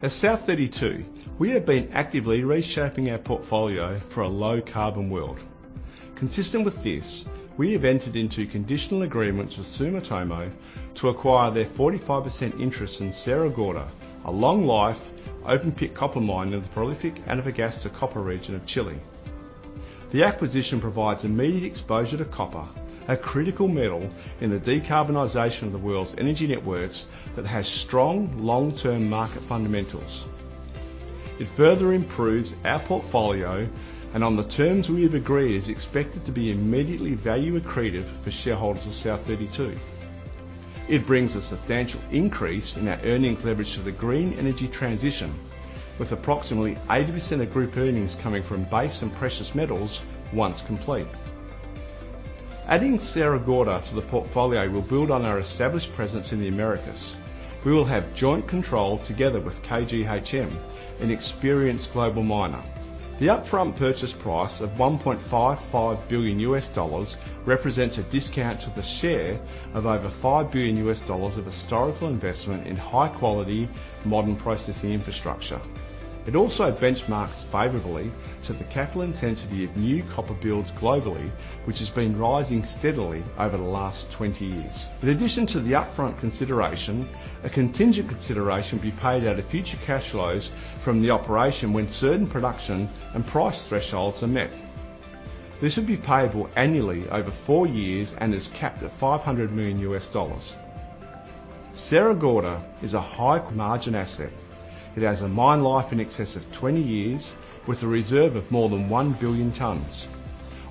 At South32, we have been actively reshaping our portfolio for a low-carbon world. Consistent with this, we have entered into conditional agreements with Sumitomo to acquire their 45% interest in Sierra Gorda, a long-life, open-pit copper mine in the prolific Antofagasta copper region of Chile. The acquisition provides immediate exposure to copper, a critical metal in the decarbonization of the world's energy networks that has strong, long-term market fundamentals. It further improves our portfolio, and on the terms we have agreed, is expected to be immediately value accretive for shareholders of South32. It brings a substantial increase in our earnings leverage to the green energy transition, with approximately 80% of group earnings coming from base and precious metals once complete. Adding Sierra Gorda to the portfolio will build on our established presence in the Americas. We will have joint control together with KGHM, an experienced global miner. The upfront purchase price of $1.55 billion represents a discount to the share of over $5 billion of historical investment in high-quality, modern processing infrastructure. It also benchmarks favorably to the capital intensity of new copper builds globally, which has been rising steadily over the last 20 years. In addition to the upfront consideration, a contingent consideration will be paid out of future cash flows from the operation when certain production and price thresholds are met. This will be payable annually over 4 years and is capped at $500 million. Sierra Gorda is a high-margin asset. It has a mine life in excess of 20 years with a reserve of more than 1 billion tons.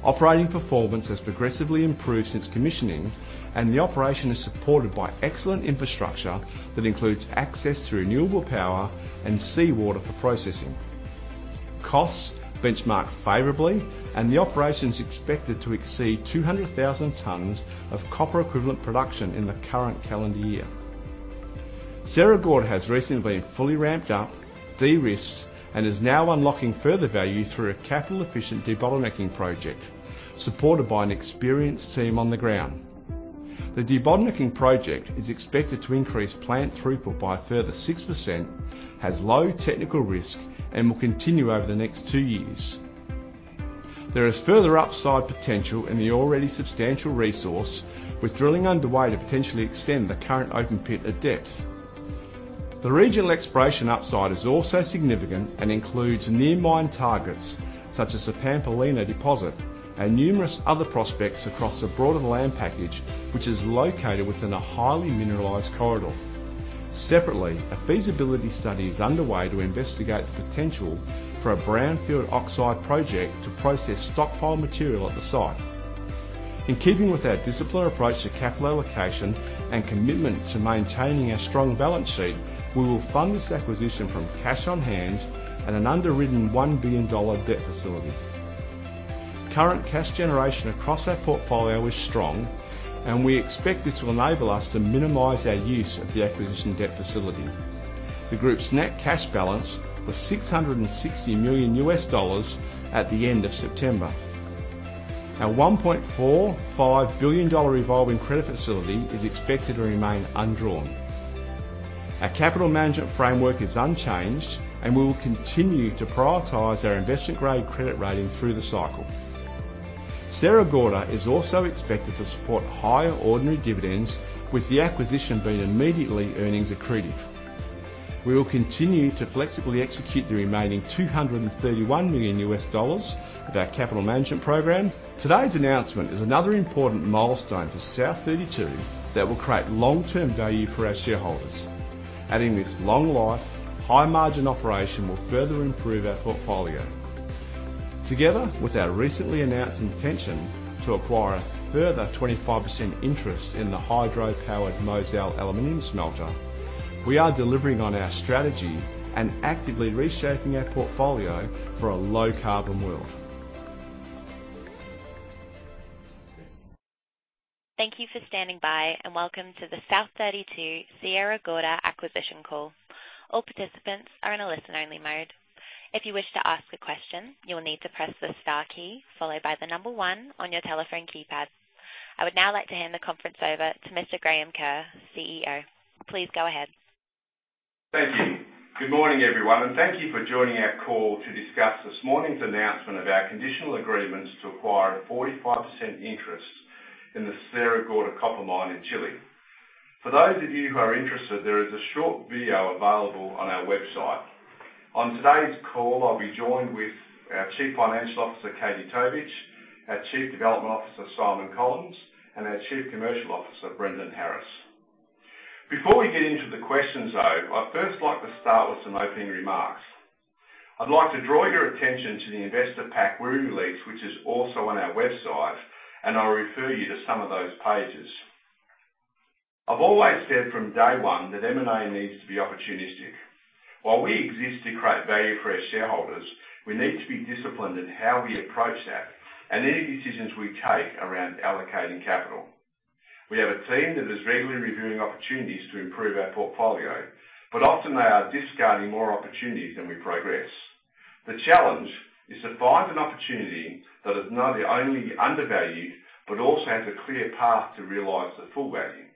Operating performance has progressively improved since commissioning, and the operation is supported by excellent infrastructure, that includes access to renewable power and seawater for processing. Costs benchmark favorably, and the operation is expected to exceed 200,000 tons of copper equivalent production in the current calendar year. Sierra Gorda has recently been fully ramped up, de-risked, and is now unlocking further value through a capital-efficient debottlenecking project, supported by an experienced team on the ground. The debottlenecking project is expected to increase plant throughput by a further 6%, has low technical risk, and will continue over the next two years. There is further upside potential in the already substantial resource, with drilling underway to potentially extend the current open pit at depth. The regional exploration upside is also significant and includes near mine targets, such as the Pampa Lina deposit and numerous other prospects across a broader land package, which is located within a highly mineralized corridor. Separately, a feasibility study is underway to investigate the potential for a brownfield oxide project to process stockpile material at the site. In keeping with our disciplined approach to capital allocation and commitment to maintaining our strong balance sheet, we will fund this acquisition from cash on hand and an underwritten $1 billion debt facility. Current cash generation across our portfolio is strong, and we expect this will enable us to minimize our use of the acquisition debt facility. The group's net cash balance was $660 million at the end of September. Our $1.45 billion revolving credit facility is expected to remain undrawn. Our capital management framework is unchanged, and we will continue to prioritize our investment-grade credit rating through the cycle. Sierra Gorda is also expected to support higher ordinary dividends, with the acquisition being immediately earnings accretive. We will continue to flexibly execute the remaining $231 million of our capital management program. Today's announcement is another important milestone for South32 that will create long-term value for our shareholders. Adding this long-life, high-margin operation will further improve our portfolio. Together with our recently announced intention to acquire a further 25% interest in the hydro-powered Mozal Aluminium Smelter, we are delivering on our strategy and actively reshaping our portfolio for a low-carbon world. Thank you for standing by, and welcome to the South32 Sierra Gorda acquisition call. All participants are in a listen-only mode. If you wish to ask a question, you will need to press the star key followed by the number one on your telephone keypad. I would now like to hand the conference over to Mr. Graham Kerr, CEO. Please go ahead. Thank you. Good morning, everyone, and thank you for joining our call to discuss this morning's announcement of our conditional agreements to acquire a 45% interest in the Sierra Gorda copper mine in Chile. For those of you who are interested, there is a short video available on our website. On today's call, I'll be joined with our Chief Financial Officer, Katie Tovich, our Chief Development Officer, Simon Collins, and our Chief Commercial Officer, Brendan Harris. Before we get into the questions, though, I'd first like to start with some opening remarks. I'd like to draw your attention to the investor pack we released, which is also on our website, and I'll refer you to some of those pages. I've always said from day one that M&A needs to be opportunistic. While we exist to create value for our shareholders, we need to be disciplined in how we approach that and any decisions we take around allocating capital. We have a team that is regularly reviewing opportunities to improve our portfolio, but often they are discarding more opportunities than we progress. ...The challenge is to find an opportunity that is not only undervalued, but also has a clear path to realize the full value.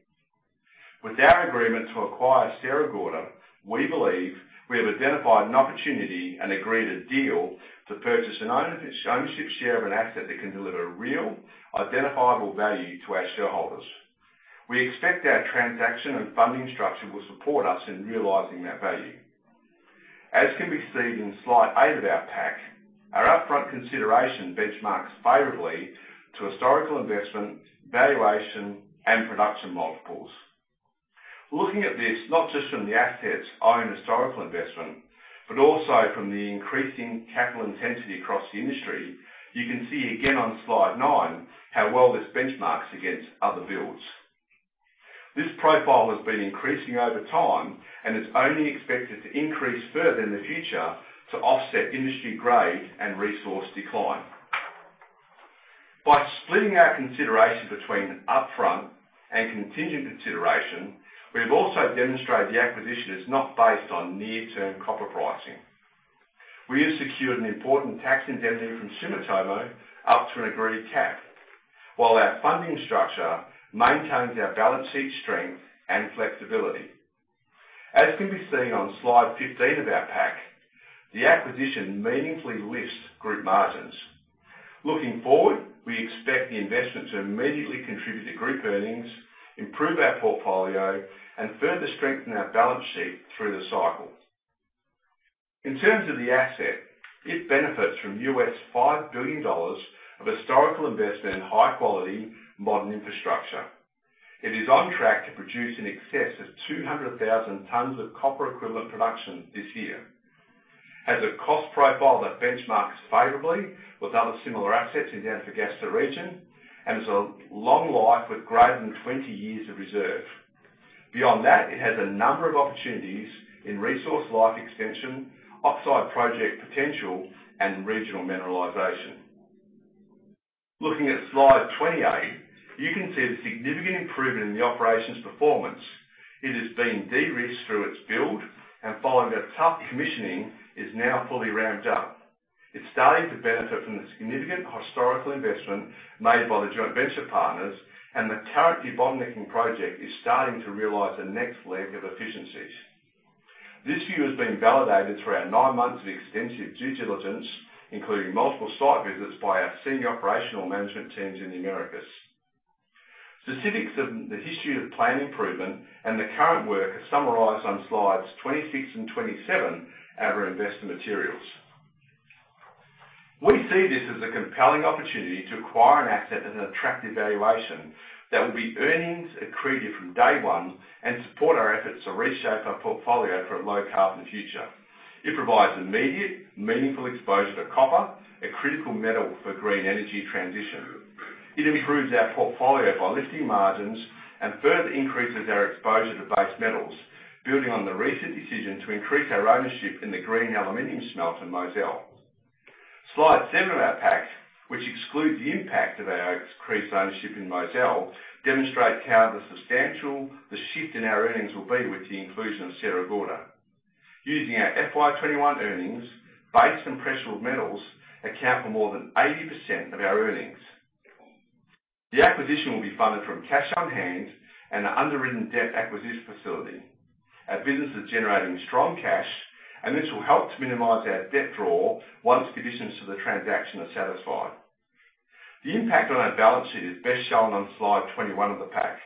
With our agreement to acquire Sierra Gorda, we believe we have identified an opportunity and agreed a deal to purchase an ownership share of an asset that can deliver real, identifiable value to our shareholders. We expect our transaction and funding structure will support us in realizing that value. As can be seen in Slide 8 of our pack, our upfront consideration benchmarks favorably to historical investment, valuation, and production multiples. Looking at this, not just from the asset's own historical investment, but also from the increasing capital intensity across the industry, you can see again on Slide 9, how well this benchmarks against other builds. This profile has been increasing over time and is only expected to increase further in the future to offset industry grade and resource decline. By splitting our consideration between upfront and contingent consideration, we have also demonstrated the acquisition is not based on near-term copper pricing. We have secured an important tax indemnity from Sumitomo up to an agreed cap, while our funding structure maintains our balance sheet strength and flexibility. As can be seen on Slide 15 of our pack, the acquisition meaningfully lifts group margins. Looking forward, we expect the investment to immediately contribute to group earnings, improve our portfolio, and further strengthen our balance sheet through the cycle. In terms of the asset, it benefits from $5 billion of historical investment in high quality, modern infrastructure. It is on track to produce in excess of 200,000 tons of copper equivalent production this year, has a cost profile that benchmarks favorably with other similar assets in the Antofagasta region, and has a long life with greater than 20 years of reserve. Beyond that, it has a number of opportunities in resource life extension, oxide project potential, and regional mineralization. Looking at Slide 28, you can see the significant improvement in the operations performance. It has been de-risked through its build, and following a tough commissioning, is now fully ramped up. It's starting to benefit from the significant historical investment made by the joint venture partners, and the current debottlenecking project is starting to realize the next leg of efficiencies. This view has been validated through our 9 months of extensive due diligence, including multiple site visits by our senior operational management teams in the Americas. Specifics of the history of the planned improvement and the current work are summarized on Slides 26 and 27 of our investor materials. We see this as a compelling opportunity to acquire an asset at an attractive valuation that will be earnings accretive from day one, and support our efforts to reshape our portfolio for a low-carbon future. It provides immediate, meaningful exposure to copper, a critical metal for green energy transition. It improves our portfolio by lifting margins and further increases our exposure to base metals, building on the recent decision to increase our ownership in the green aluminium smelter in Mozal. Slide 7 of our pack, which excludes the impact of our increased ownership in Mozal, demonstrates how substantial the shift in our earnings will be with the inclusion of Sierra Gorda. Using our FY21 earnings, base and precious metals account for more than 80% of our earnings. The acquisition will be funded from cash on hand and an underwritten debt acquisition facility. Our business is generating strong cash, and this will help to minimize our debt draw once conditions to the transaction are satisfied. The impact on our balance sheet is best shown on Slide 21 of the pack.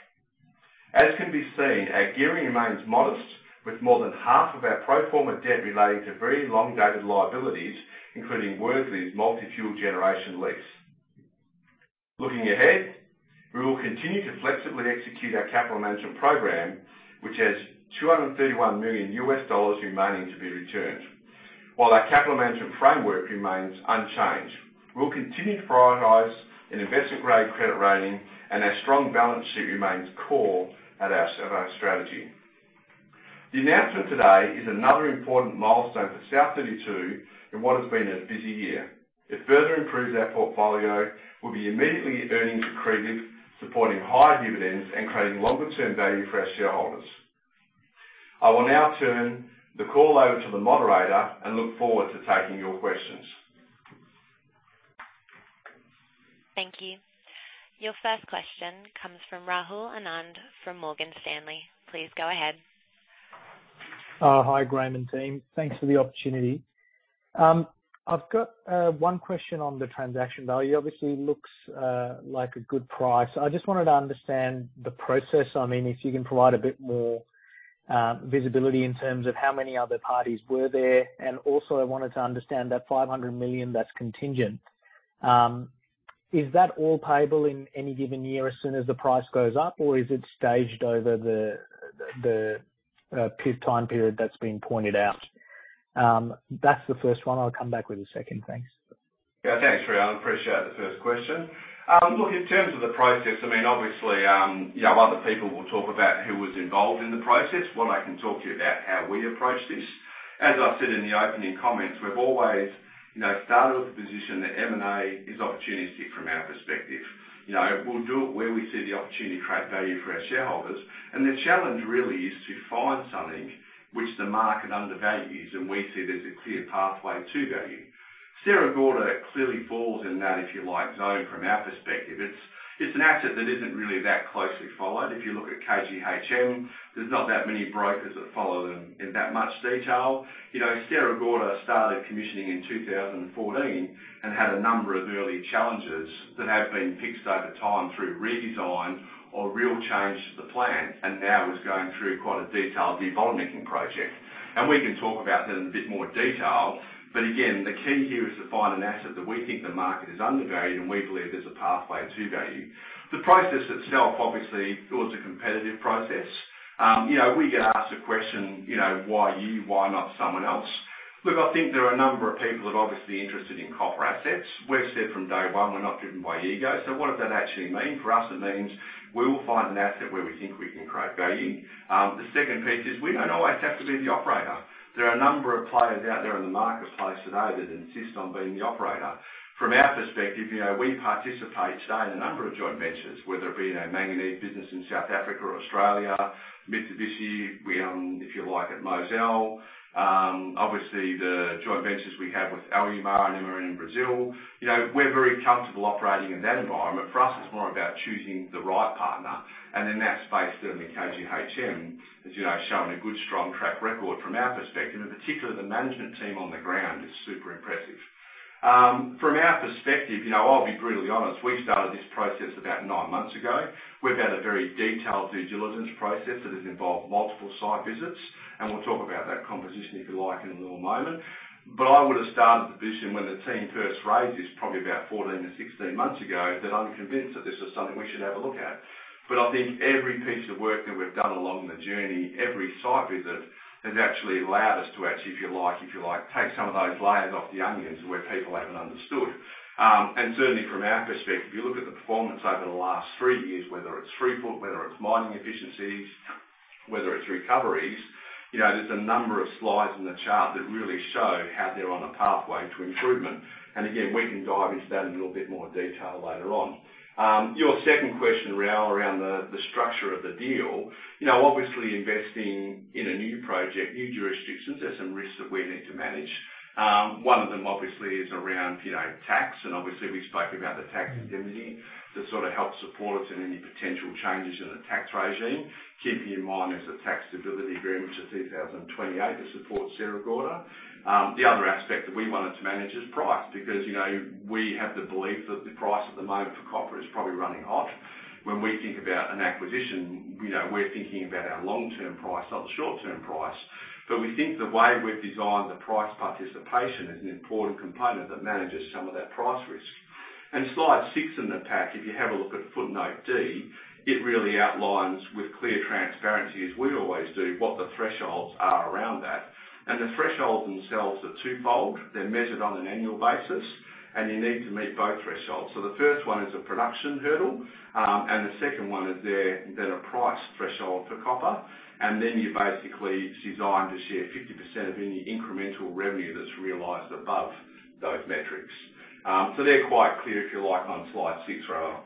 As can be seen, our gearing remains modest, with more than half of our pro forma debt relating to very long-dated liabilities, including Worsley's multi-fuel generation lease. Looking ahead, we will continue to flexibly execute our capital management program, which has $231 million remaining to be returned. While our capital management framework remains unchanged, we'll continue to prioritize an investment-grade credit rating, and our strong balance sheet remains core at our, at our strategy. The announcement today is another important milestone for South32 in what has been a busy year. It further improves our portfolio, will be immediately earnings accretive, supporting higher dividends, and creating longer-term value for our shareholders. I will now turn the call over to the moderator and look forward to taking your questions. Thank you. Your first question comes from Rahul Anand, from Morgan Stanley. Please go ahead. Hi, Graham and team. Thanks for the opportunity. I've got one question on the transaction value. Obviously, it looks like a good price. I just wanted to understand the process. I mean, if you can provide a bit more visibility in terms of how many other parties were there. And also, I wanted to understand that $500 million that's contingent. Is that all payable in any given year, as soon as the price goes up, or is it staged over the time period that's been pointed out? That's the first one. I'll come back with a second. Thanks. Yeah, thanks, Rahul. Appreciate the first question. Look, in terms of the process, I mean, obviously, yeah, other people will talk about who was involved in the process. What I can talk to you about, how we approached this. As I said in the opening comments, we've always-... You know, start with the position that M&A is opportunistic from our perspective. You know, we'll do it where we see the opportunity to create value for our shareholders. And the challenge really is to find something which the market undervalues, and we see there's a clear pathway to value. Sierra Gorda clearly falls in that, if you like, zone from our perspective. It's, it's an asset that isn't really that closely followed. If you look at KGHM, there's not that many brokers that follow them in that much detail. You know, Sierra Gorda started commissioning in 2014 and had a number of early challenges that have been fixed over time through redesign or real change to the plan, and now is going through quite a detailed debottlenecking project. And we can talk about that in a bit more detail. But again, the key here is to find an asset that we think the market is undervaluing, and we believe there's a pathway to value. The process itself, obviously, it was a competitive process. You know, we get asked the question, you know, "Why you? Why not someone else?" Look, I think there are a number of people that are obviously interested in copper assets. We've said from day one, we're not driven by ego. So what does that actually mean? For us, it means we will find an asset where we think we can create value. The second piece is we don't always have to be the operator. There are a number of players out there in the marketplace today that insist on being the operator. From our perspective, you know, we participate today in a number of joint ventures, whether it be in our manganese business in South Africa or Australia, Mitsubishi, we own, if you like, at Mozal. Obviously, the joint ventures we have with Alumar, Alumar in Brazil. You know, we're very comfortable operating in that environment. For us, it's more about choosing the right partner, and in that space, certainly KGHM has, you know, shown a good, strong track record from our perspective, and particularly the management team on the ground is super impressive. From our perspective, you know, I'll be brutally honest, we started this process about nine months ago. We've had a very detailed due diligence process that has involved multiple site visits, and we'll talk about that composition, if you like, in a little moment. But I would have started the position when the team first raised this, probably about 14-16 months ago, that I'm convinced that this is something we should have a look at. But I think every piece of work that we've done along the journey, every site visit, has actually allowed us to actually, if you like, if you like, take some of those layers off the onions where people haven't understood. And certainly from our perspective, if you look at the performance over the last three years, whether it's throughput, whether it's mining efficiencies, whether it's recoveries, you know, there's a number of slides in the chart that really show how they're on a pathway to improvement. Again, we can dive into that in a little bit more detail later on. Your second question, Rahul, around the structure of the deal. You know, obviously investing in a new project, new jurisdictions, there's some risks that we need to manage. One of them, obviously, is around, you know, tax, and obviously, we spoke about the tax indemnity that sort of helps support us in any potential changes in the tax regime. Keeping in mind, there's a tax stability agreement to 2028 that supports Sierra Gorda. The other aspect that we wanted to manage is price, because, you know, we have the belief that the price at the moment for copper is probably running hot. When we think about an acquisition, you know, we're thinking about our long-term price, not the short-term price. But we think the way we've designed the price participation is an important component that manages some of that price risk. And slide 6 in the pack, if you have a look at footnote D, it really outlines with clear transparency, as we always do, what the thresholds are around that. And the thresholds themselves are twofold. They're measured on an annual basis, and you need to meet both thresholds. So the first one is a production hurdle, and the second one is there, then a price threshold for copper. And then you're basically designed to share 50% of any incremental revenue that's realized above those metrics. So they're quite clear, if you like, on slide 6, Rahul.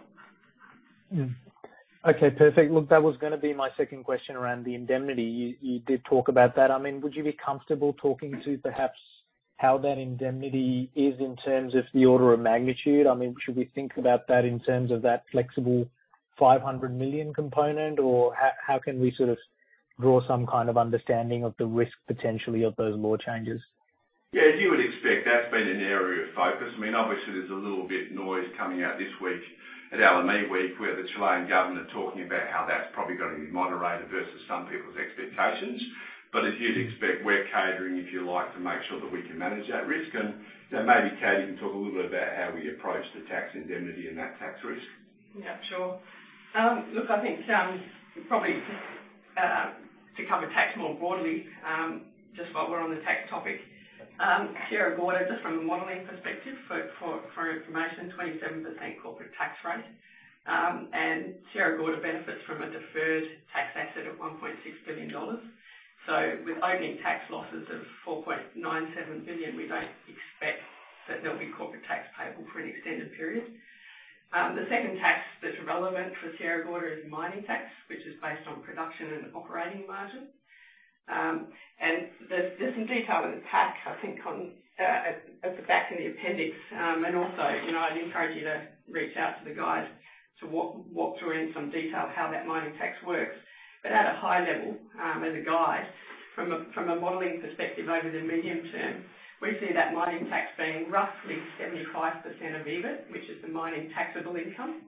Mm-hmm. Okay, perfect. Look, that was gonna be my second question around the indemnity. You, you did talk about that. I mean, would you be comfortable talking to perhaps how that indemnity is in terms of the order of magnitude? I mean, should we think about that in terms of that flexible $500 million component, or how, how can we sort of draw some kind of understanding of the risk, potentially, of those law changes? Yeah, as you would expect, that's been an area of focus. I mean, obviously, there's a little bit noise coming out this week at LME Week, where the Chilean government talking about how that's probably gonna be moderated versus some people's expectations. But as you'd expect, we're catering, if you like, to make sure that we can manage that risk. And, you know, maybe Katie can talk a little bit about how we approach the tax indemnity and that tax risk. Yeah, sure. Look, I think, probably, to cover tax more broadly, just while we're on the tax topic. Sierra Gorda, just from a modeling perspective, for information, 27% corporate tax rate. And Sierra Gorda benefits from a deferred tax asset of $1.6 billion. So with opening tax losses of $4.97 billion, we don't expect that there'll be corporate tax payable for an extended period. The second tax that's relevant for Sierra Gorda is mining tax, which is based on production and operating margin. And there's some detail in the pack, I think, on at the back in the appendix. And also, you know, I'd encourage you to reach out to the guys to walk through in some detail how that mining tax works. But at a high level, as a guide, from a modeling perspective, over the medium term, we see that mining tax being roughly 75% of EBIT, which is the mining taxable income,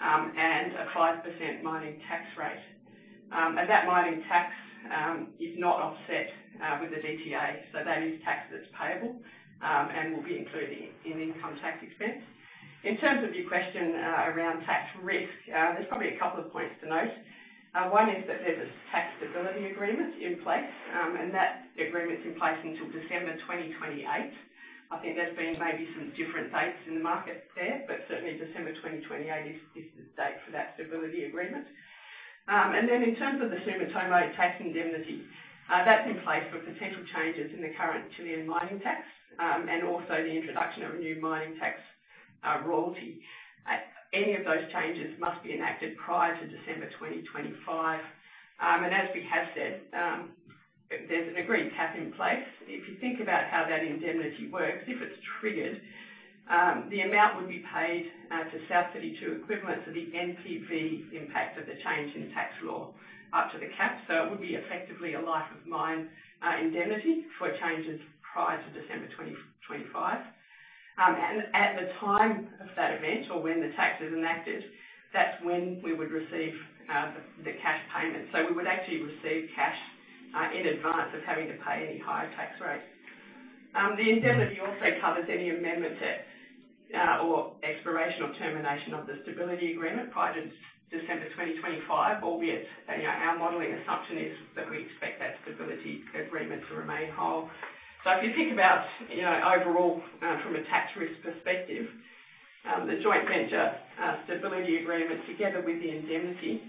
and a 5% mining tax rate. And that mining tax is not offset with the DTA, so that is tax that's payable and will be included in income tax expense. In terms of your question around tax risk, there's probably a couple of points to note. One is that there's a tax stability agreement in place, and that agreement's in place until December 2028. I think there's been maybe some different dates in the market there, but certainly December 2028 is the date for that stability agreement. In terms of the Sumitomo tax indemnity, that's in place for potential changes in the current Chilean mining tax, and also the introduction of a new mining tax royalty. Any of those changes must be enacted prior to December 2025. As we have said, there's an agreed cap in place. If you think about how that indemnity works, if it's triggered, the amount would be paid to South32 equivalent to the NPV impact of the change in tax law up to the cap. So it would be effectively a life of mine indemnity for changes prior to December 2025. At the time of that event, or when the tax is enacted, that's when we would receive the cash payment. So we would actually receive cash in advance of having to pay any higher tax rate. The indemnity also covers any amendments, or expiration or termination of the Stability Agreement prior to December 2025, albeit, you know, our modeling assumption is that we expect that Stability Agreement to remain whole. So if you think about, you know, overall, from a tax risk perspective, the joint venture Stability Agreement, together with the indemnity,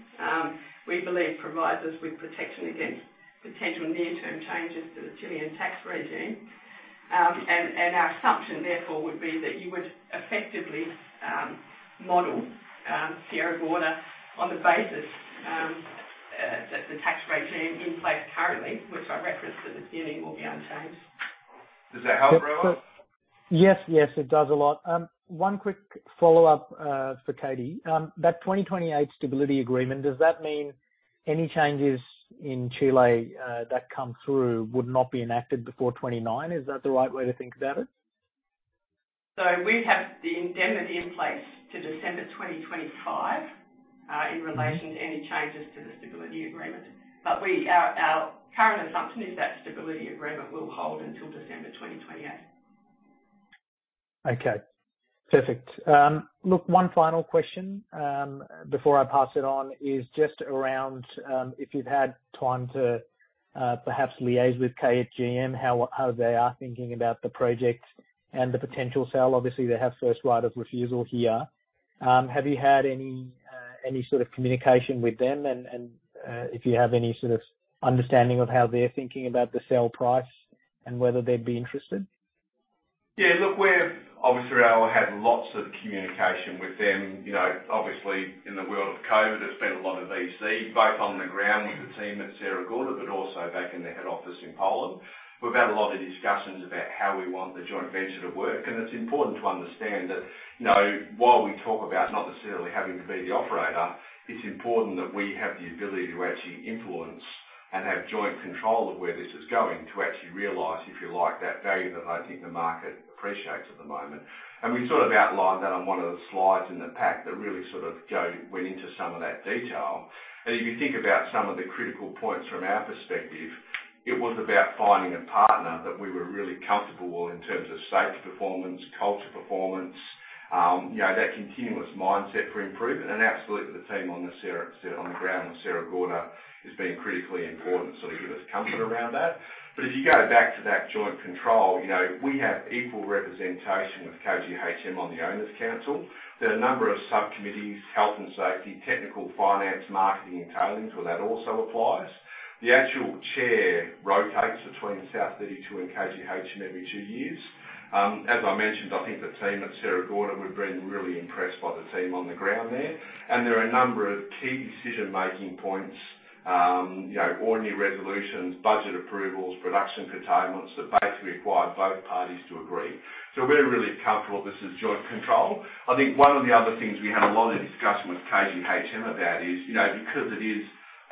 we believe provides us with protection against potential near-term changes to the Chilean tax regime. And our assumption, therefore, would be that you would effectively model Sierra Gorda on the basis that the tax regime in place currently, which I referenced at the beginning, will be unchanged. Does that help, Rowan? Yes. Yes, it does a lot. One quick follow-up for Katie. That 2028 Stability Agreement, does that mean any changes in Chile that come through would not be enacted before 2029? Is that the right way to think about it? We have the indemnity in place to December 2025, in relation to any changes to the Stability Agreement. But our current assumption is that Stability Agreement will hold until December 2028. Okay, perfect. Look, one final question, before I pass it on, is just around if you've had time to perhaps liaise with KGHM, how they are thinking about the project and the potential sale? Obviously, they have first right of refusal here. Have you had any any sort of communication with them? And, if you have any sort of understanding of how they're thinking about the sale price and whether they'd be interested? Yeah, look, we've obviously had lots of communication with them. You know, obviously, in the world of COVID, I've spent a lot of time, see, both on the ground with the team at Sierra Gorda, but also back in the head office in Poland. We've had a lot of discussions about how we want the joint venture to work, and it's important to understand that, you know, while we talk about not necessarily having to be the operator, it's important that we have the ability to actually influence and have joint control of where this is going to actually realize, if you like, that value that I think the market appreciates at the moment. And we sort of outlined that on one of the slides in the pack that really sort of went into some of that detail. And if you think about some of the critical points from our perspective, it was about finding a partner that we were really comfortable with in terms of safety performance, culture, performance, you know, that continuous mindset for improvement. And absolutely, the team on the Sierra, Sierra - on the ground on Sierra Gorda has been critically important, so it gives us comfort around that. But if you go back to that joint control, you know, we have equal representation with KGHM on the owners' council. There are a number of subcommittees, health and safety, technical, finance, marketing, and tailings, where that also applies. The actual chair rotates between South32 and KGHM every two years. As I mentioned, I think the team at Sierra Gorda, we've been really impressed by the team on the ground there, and there are a number of key decision-making points, you know, ordinary resolutions, budget approvals, production curtailments, that basically require both parties to agree. So we're really comfortable this is joint control. I think one of the other things we had a lot of discussion with KGHM about is, you know, because it is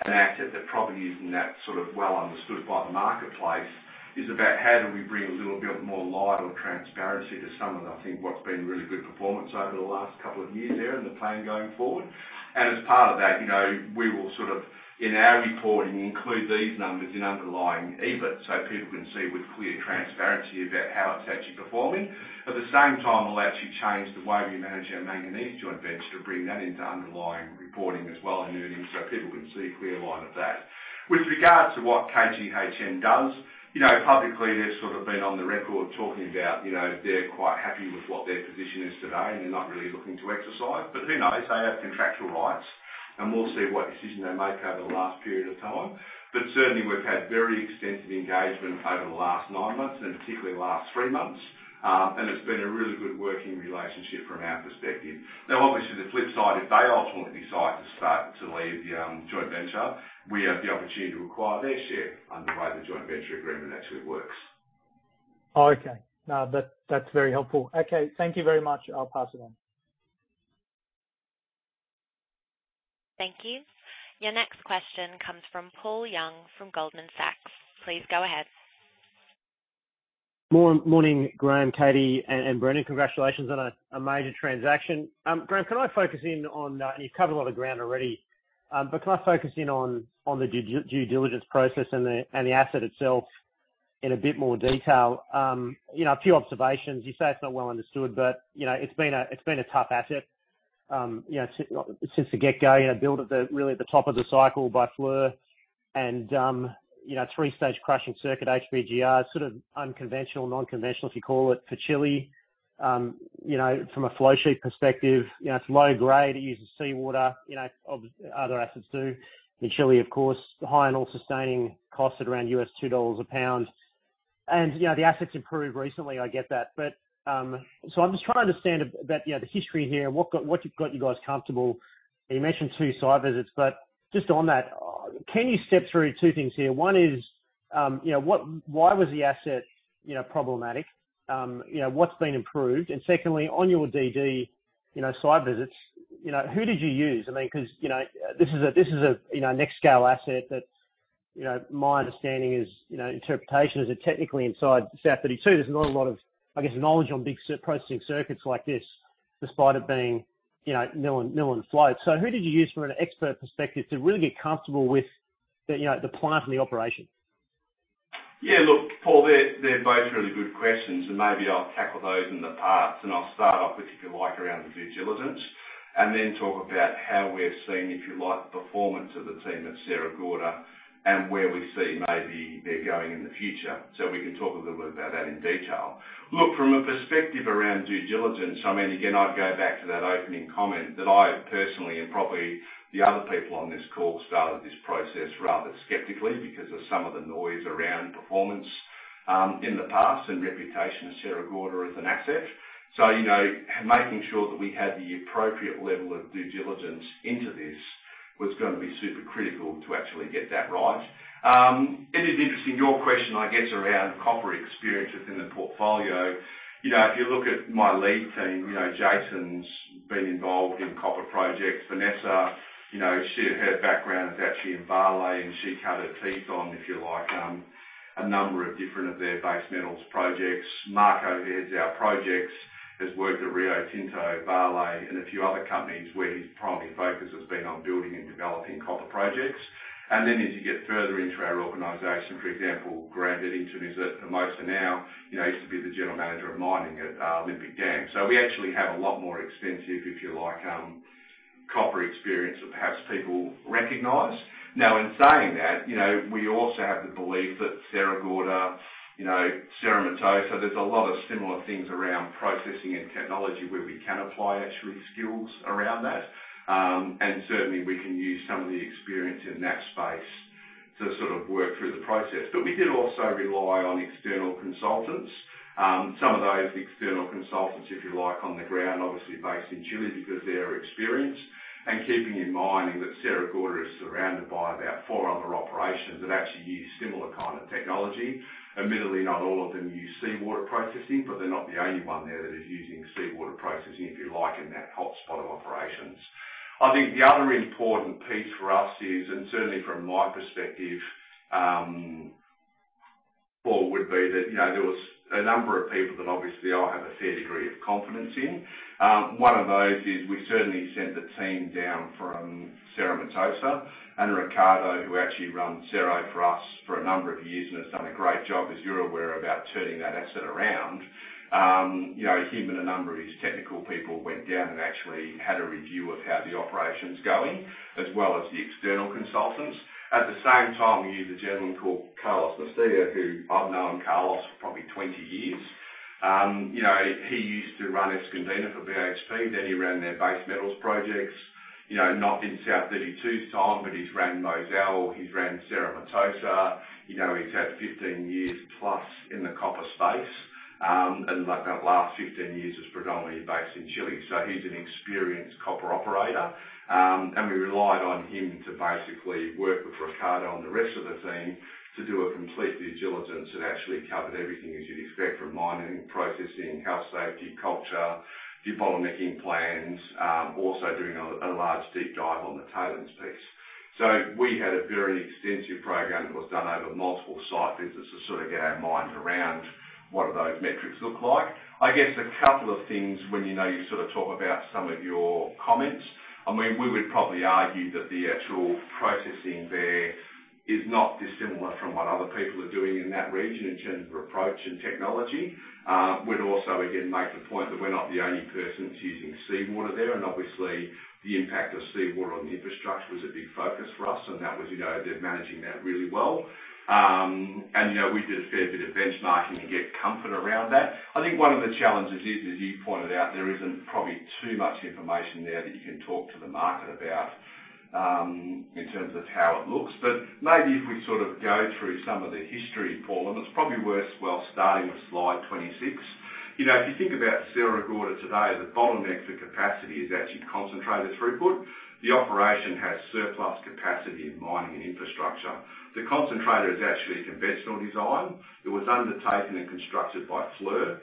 an asset that probably isn't that sort of well understood by the marketplace, is about how do we bring a little bit more light or transparency to some of, I think, what's been really good performance over the last couple of years there and the plan going forward. And as part of that, you know, we will sort of, in our reporting, include these numbers in underlying EBIT, so people can see with clear transparency about how it's actually performing. At the same time, we'll actually change the way we manage our Manganese joint venture to bring that into underlying reporting as well in earnings, so people can see a clear line of that. With regards to what KGHM does, you know, publicly, they've sort of been on the record talking about, you know, they're quite happy with what their position is today, and they're not really looking to exercise. But who knows? They have contractual rights, and we'll see what decision they make over the last period of time. But certainly, we've had very extensive engagement over the last nine months and particularly the last three months. It's been a really good working relationship from our perspective. Now, obviously, the flip side, if they ultimately decide to start to leave the joint venture, we have the opportunity to acquire their share under how the joint venture agreement actually works. Okay. No, that, that's very helpful. Okay, thank you very much. I'll pass it on. Thank you. Your next question comes from Paul Young, from Goldman Sachs. Please go ahead. Morning, morning, Graham, Katie, and Brendan. Congratulations on a major transaction. Graham, can I focus in on, and you've covered a lot of ground already, but can I focus in on the due diligence process and the asset itself in a bit more detail? You know, a few observations. You say it's not well understood, but, you know, it's been a tough asset, you know, since the get-go. You know, built at the, really, at the top of the cycle by Fluor.... and, you know, three-stage crushing circuit HPGR, sort of unconventional, non-conventional, if you call it, for Chile. You know, from a flow sheet perspective, you know, it's low grade. It uses seawater, you know, obviously other assets, too. In Chile, of course, high all-in sustaining costs at around $2 a pound. And, you know, the asset's improved recently, I get that. But, so I'm just trying to understand about, you know, the history here and what got you guys comfortable. And you mentioned two site visits, but just on that, can you step through two things here? One is, you know, why was the asset, you know, problematic? You know, what's been improved? And secondly, on your DD, you know, site visits, you know, who did you use? I mean, 'cause, you know, this is a, this is a, you know, next scale asset that, you know, my understanding is, you know, interpretation is it technically inside South32. There's not a lot of, I guess, knowledge on big circuit processing circuits like this, despite it being, you know, mill and, mill and float. So who did you use from an expert perspective to really get comfortable with the, you know, the plant and the operation? Yeah, look, Paul, they're, they're both really good questions, and maybe I'll tackle those in the parts. And I'll start off, if you like, around the due diligence, and then talk about how we're seeing, if you like, the performance of the team at Sierra Gorda and where we see maybe they're going in the future. So we can talk a little bit about that in detail. Look, from a perspective around due diligence, I mean, again, I'd go back to that opening comment that I personally, and probably the other people on this call, started this process rather skeptically because of some of the noise around performance in the past and reputation of Sierra Gorda as an asset. So, you know, making sure that we had the appropriate level of due diligence into this was gonna be super critical to actually get that right. It is interesting, your question, I guess, around copper experiences in the portfolio. You know, if you look at my lead team, you know, Jason's been involved in copper projects. Vanessa, you know, she, her background is actually in Vale, and she cut her teeth on, if you like, a number of different of their base metals projects. Marco, heads our projects, has worked at Rio Tinto, Vale, and a few other companies where his primary focus has been on building and developing copper projects. And then as you get further into our organization, for example, Grant Edgington, is at Hermosa now, you know, used to be the general manager of mining at, Olympic Dam. So we actually have a lot more extensive, if you like, copper experience than perhaps people recognize. Now, in saying that, you know, we also have the belief that Sierra Gorda, you know, Sierra Gorda, there's a lot of similar things around processing and technology where we can apply actually skills around that. And certainly we can use some of the experience in that space to sort of work through the process. But we did also rely on external consultants. Some of those external consultants, if you like, on the ground, obviously based in Chile, because they're experienced. And keeping in mind that Sierra Gorda is surrounded by about four other operations that actually use similar kind of technology. Admittedly, not all of them use seawater processing, but they're not the only one there that is using seawater processing, if you like, in that hotspot of operations. I think the other important piece for us is, and certainly from my perspective, Paul, would be that, you know, there was a number of people that obviously I have a fair degree of confidence in. One of those is we certainly sent a team down from Cerro Matoso, and Ricardo, who actually ran Cerro for us for a number of years and has done a great job, as you're aware, about turning that asset around. You know, him and a number of his technical people went down and actually had a review of how the operation's going, as well as the external consultants. At the same time, we used a gentleman called Carlos Garcia, who I've known Carlos for probably 20 years. You know, he used to run Escondida for BHP, then he ran their base metals projects. You know, not been South32 side, but he's ran Mozal, he's ran Cerro Matoso. You know, he's had 15 years plus in the copper space, and like that last 15 years was predominantly based in Chile. So he's an experienced copper operator. And we relied on him to basically work with Ricardo and the rest of the team to do a complete due diligence that actually covered everything as you'd expect from mining, processing, health, safety, culture, debottlenecking plans, also doing a large deep dive on the tailings piece. So we had a very extensive program that was done over multiple site visits to sort of get our minds around what those metrics look like. I guess a couple of things when, you know, you sort of talk about some of your comments. I mean, we would probably argue that the actual processing there is not dissimilar from what other people are doing in that region, in terms of approach and technology. We'd also again make the point that we're not the only persons using seawater there, and obviously, the impact of seawater on the infrastructure was a big focus for us, and that was, you know, they're managing that really well. You know, we did a fair bit of benchmarking to get comfort around that. I think one of the challenges is, as you pointed out, there isn't probably too much information there that you can talk to the market about, in terms of how it looks. But maybe if we sort of go through some of the history, Paul, and it's probably worth, well, starting with slide 26. You know, if you think about Sierra Gorda today, the bottleneck for capacity is actually concentrator throughput. The operation has surplus capacity in mining and infrastructure. The concentrator is actually a conventional design. It was undertaken and constructed by Fluor.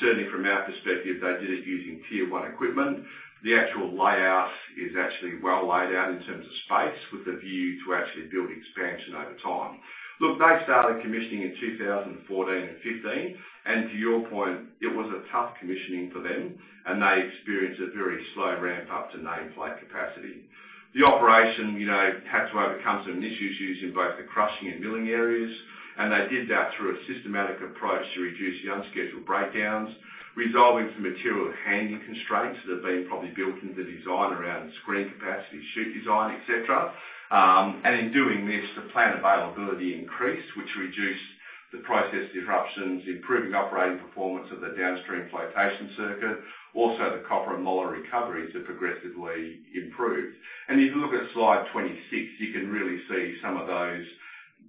Certainly from our perspective, they did it using Tier One equipment. The actual layout is actually well laid out in terms of space, with the view to actually build expansion over time. Look, they started commissioning in 2014 and 2015, and to your point, it was a tough commissioning for them, and they experienced a very slow ramp-up to nameplate capacity. The operation, you know, had to overcome some initial issues in both-... Crushing and milling areas, and they did that through a systematic approach to reduce the unscheduled breakdowns, resolving some material handling constraints that have been probably built into the design around screen capacity, chute design, etc. And in doing this, the plant availability increased, which reduced the process disruptions, improving operating performance of the downstream flotation circuit. Also, the copper and moly recoveries have progressively improved. And if you look at slide 26, you can really see some of those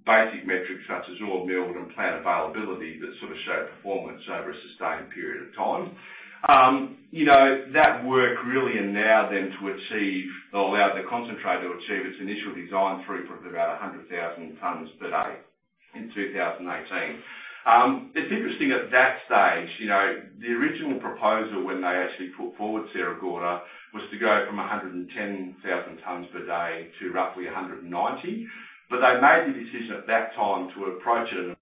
basic metrics, such as ore milled and plant availability, that sort of show performance over a sustained period of time. You know, that work really enabled them to achieve or allowed the concentrator to achieve its initial design throughput of about 100,000 tons per day in 2018. It's interesting at that stage, you know, the original proposal when they actually put forward Sierra Gorda, was to go from 110,000 tons per day to roughly 190. But they made the decision at that time to approach it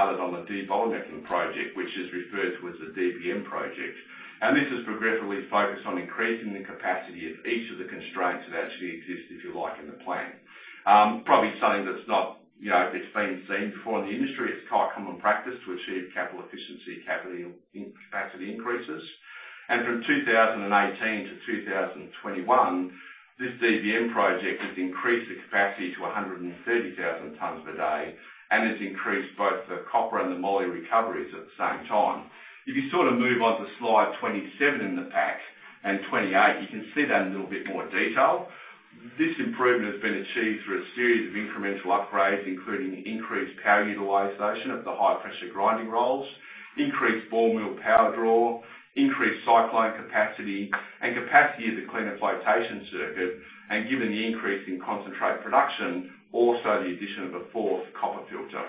on the debottlenecking project, which is referred to as the DBM project. And this is progressively focused on increasing the capacity of each of the constraints that actually exist, if you like, in the plant. Probably something that's not, you know, it's been seen before in the industry. It's quite common practice to achieve capital efficiency, capital in- capacity increases. And from 2018 to 2021, this DBM project has increased the capacity to 130,000 tons per day, and has increased both the copper and the moly recoveries at the same time. If you sort of move on to slide 27 in the pack, and 28, you can see that in a little bit more detail. This improvement has been achieved through a series of incremental upgrades, including increased power utilization of the high-pressure grinding rolls, increased ball mill power draw, increased cyclone capacity, and capacity of the cleaner flotation circuit, and given the increase in concentrate production, also the addition of a fourth copper filter.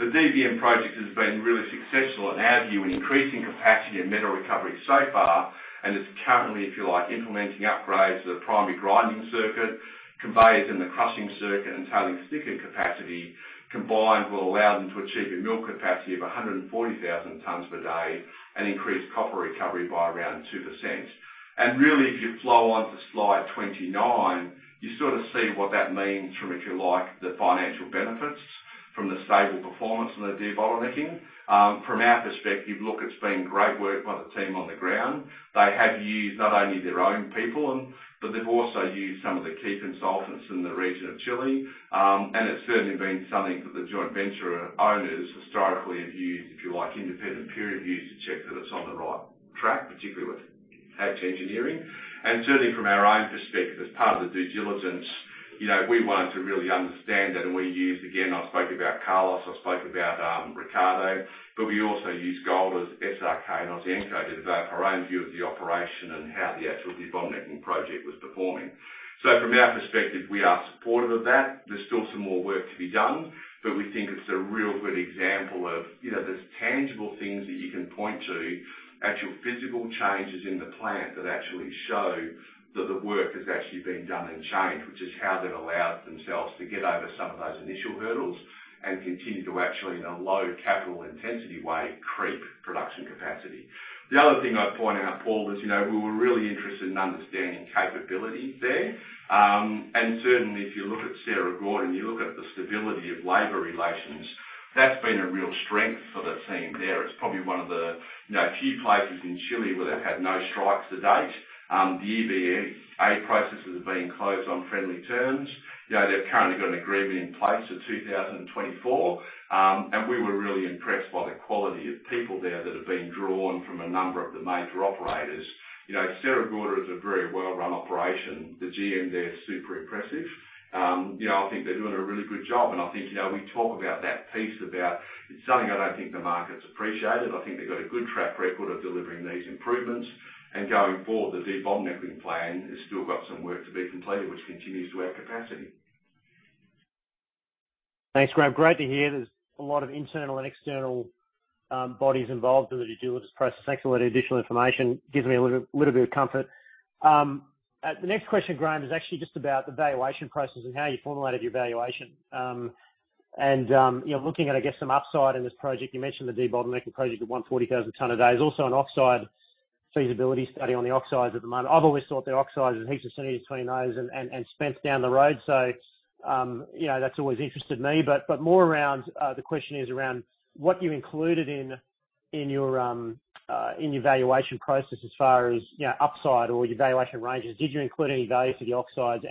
The DBM project has been really successful in our view, in increasing capacity and metal recovery so far, and it's currently, if you like, implementing upgrades to the primary grinding circuit, conveyors in the crushing circuit, and tailings thickener capacity, combined will allow them to achieve a mill capacity of 140,000 tons per day, and increase copper recovery by around 2%. Really, if you flow on to slide 29, you sort of see what that means from, if you like, the financial benefits from the stable performance and the debottlenecking. From our perspective, look, it's been great work by the team on the ground. They have used not only their own people, but they've also used some of the key consultants in the region of Chile. It's certainly been something that the joint venture owners historically have used, if you like, independent peer reviews, to check that it's on the right track, particularly with Hatch. Certainly from our own perspective, as part of the due diligence, you know, we wanted to really understand that, and we used, again, I spoke about Carlos, I spoke about Ricardo, but we also used Golder, SRK, and Ausenco, to develop our own view of the operation and how the actual debottlenecking project was performing. So from our perspective, we are supportive of that. There's still some more work to be done, but we think it's a real good example of, you know, there's tangible things that you can point to, actual physical changes in the plant that actually show that the work has actually been done and changed, which is how they've allowed themselves to get over some of those initial hurdles and continue to actually, in a low capital intensity way, creep production capacity. The other thing I'd point out, Paul, is, you know, we were really interested in understanding capability there. And certainly if you look at Sierra Gorda and you look at the stability of labor relations, that's been a real strength for the team there. It's probably one of the, you know, few places in Chile where they've had no strikes to date. The EBA processes are being closed on friendly terms. You know, they've currently got an agreement in place for 2024. And we were really impressed by the quality of people there that have been drawn from a number of the major operators. You know, Sierra Gorda is a very well-run operation. The GM there, super impressive. You know, I think they're doing a really good job, and I think, you know, we talk about that piece, about... It's something I don't think the market's appreciated. I think they've got a good track record of delivering these improvements, and going forward, the debottlenecking plan has still got some work to be completed, which continues to add capacity. Thanks, Graham. Great to hear there's a lot of internal and external bodies involved in the due diligence process. Thanks for all the additional information. Gives me a little bit of comfort. The next question, Graham, is actually just about the valuation process and how you formulated your valuation. And, you know, looking at, I guess, some upside in this project, you mentioned the debottlenecking project at 140,000 ton a day. There's also an oxide feasibility study on the oxides at the moment. I've always thought the oxides and heaps of synergy between those and, and Spence down the road, so, you know, that's always interested me. But, but more around, the question is around what you included in, in your, in your valuation process as far as, you know, upside or your valuation ranges. Did you include any value for the oxides?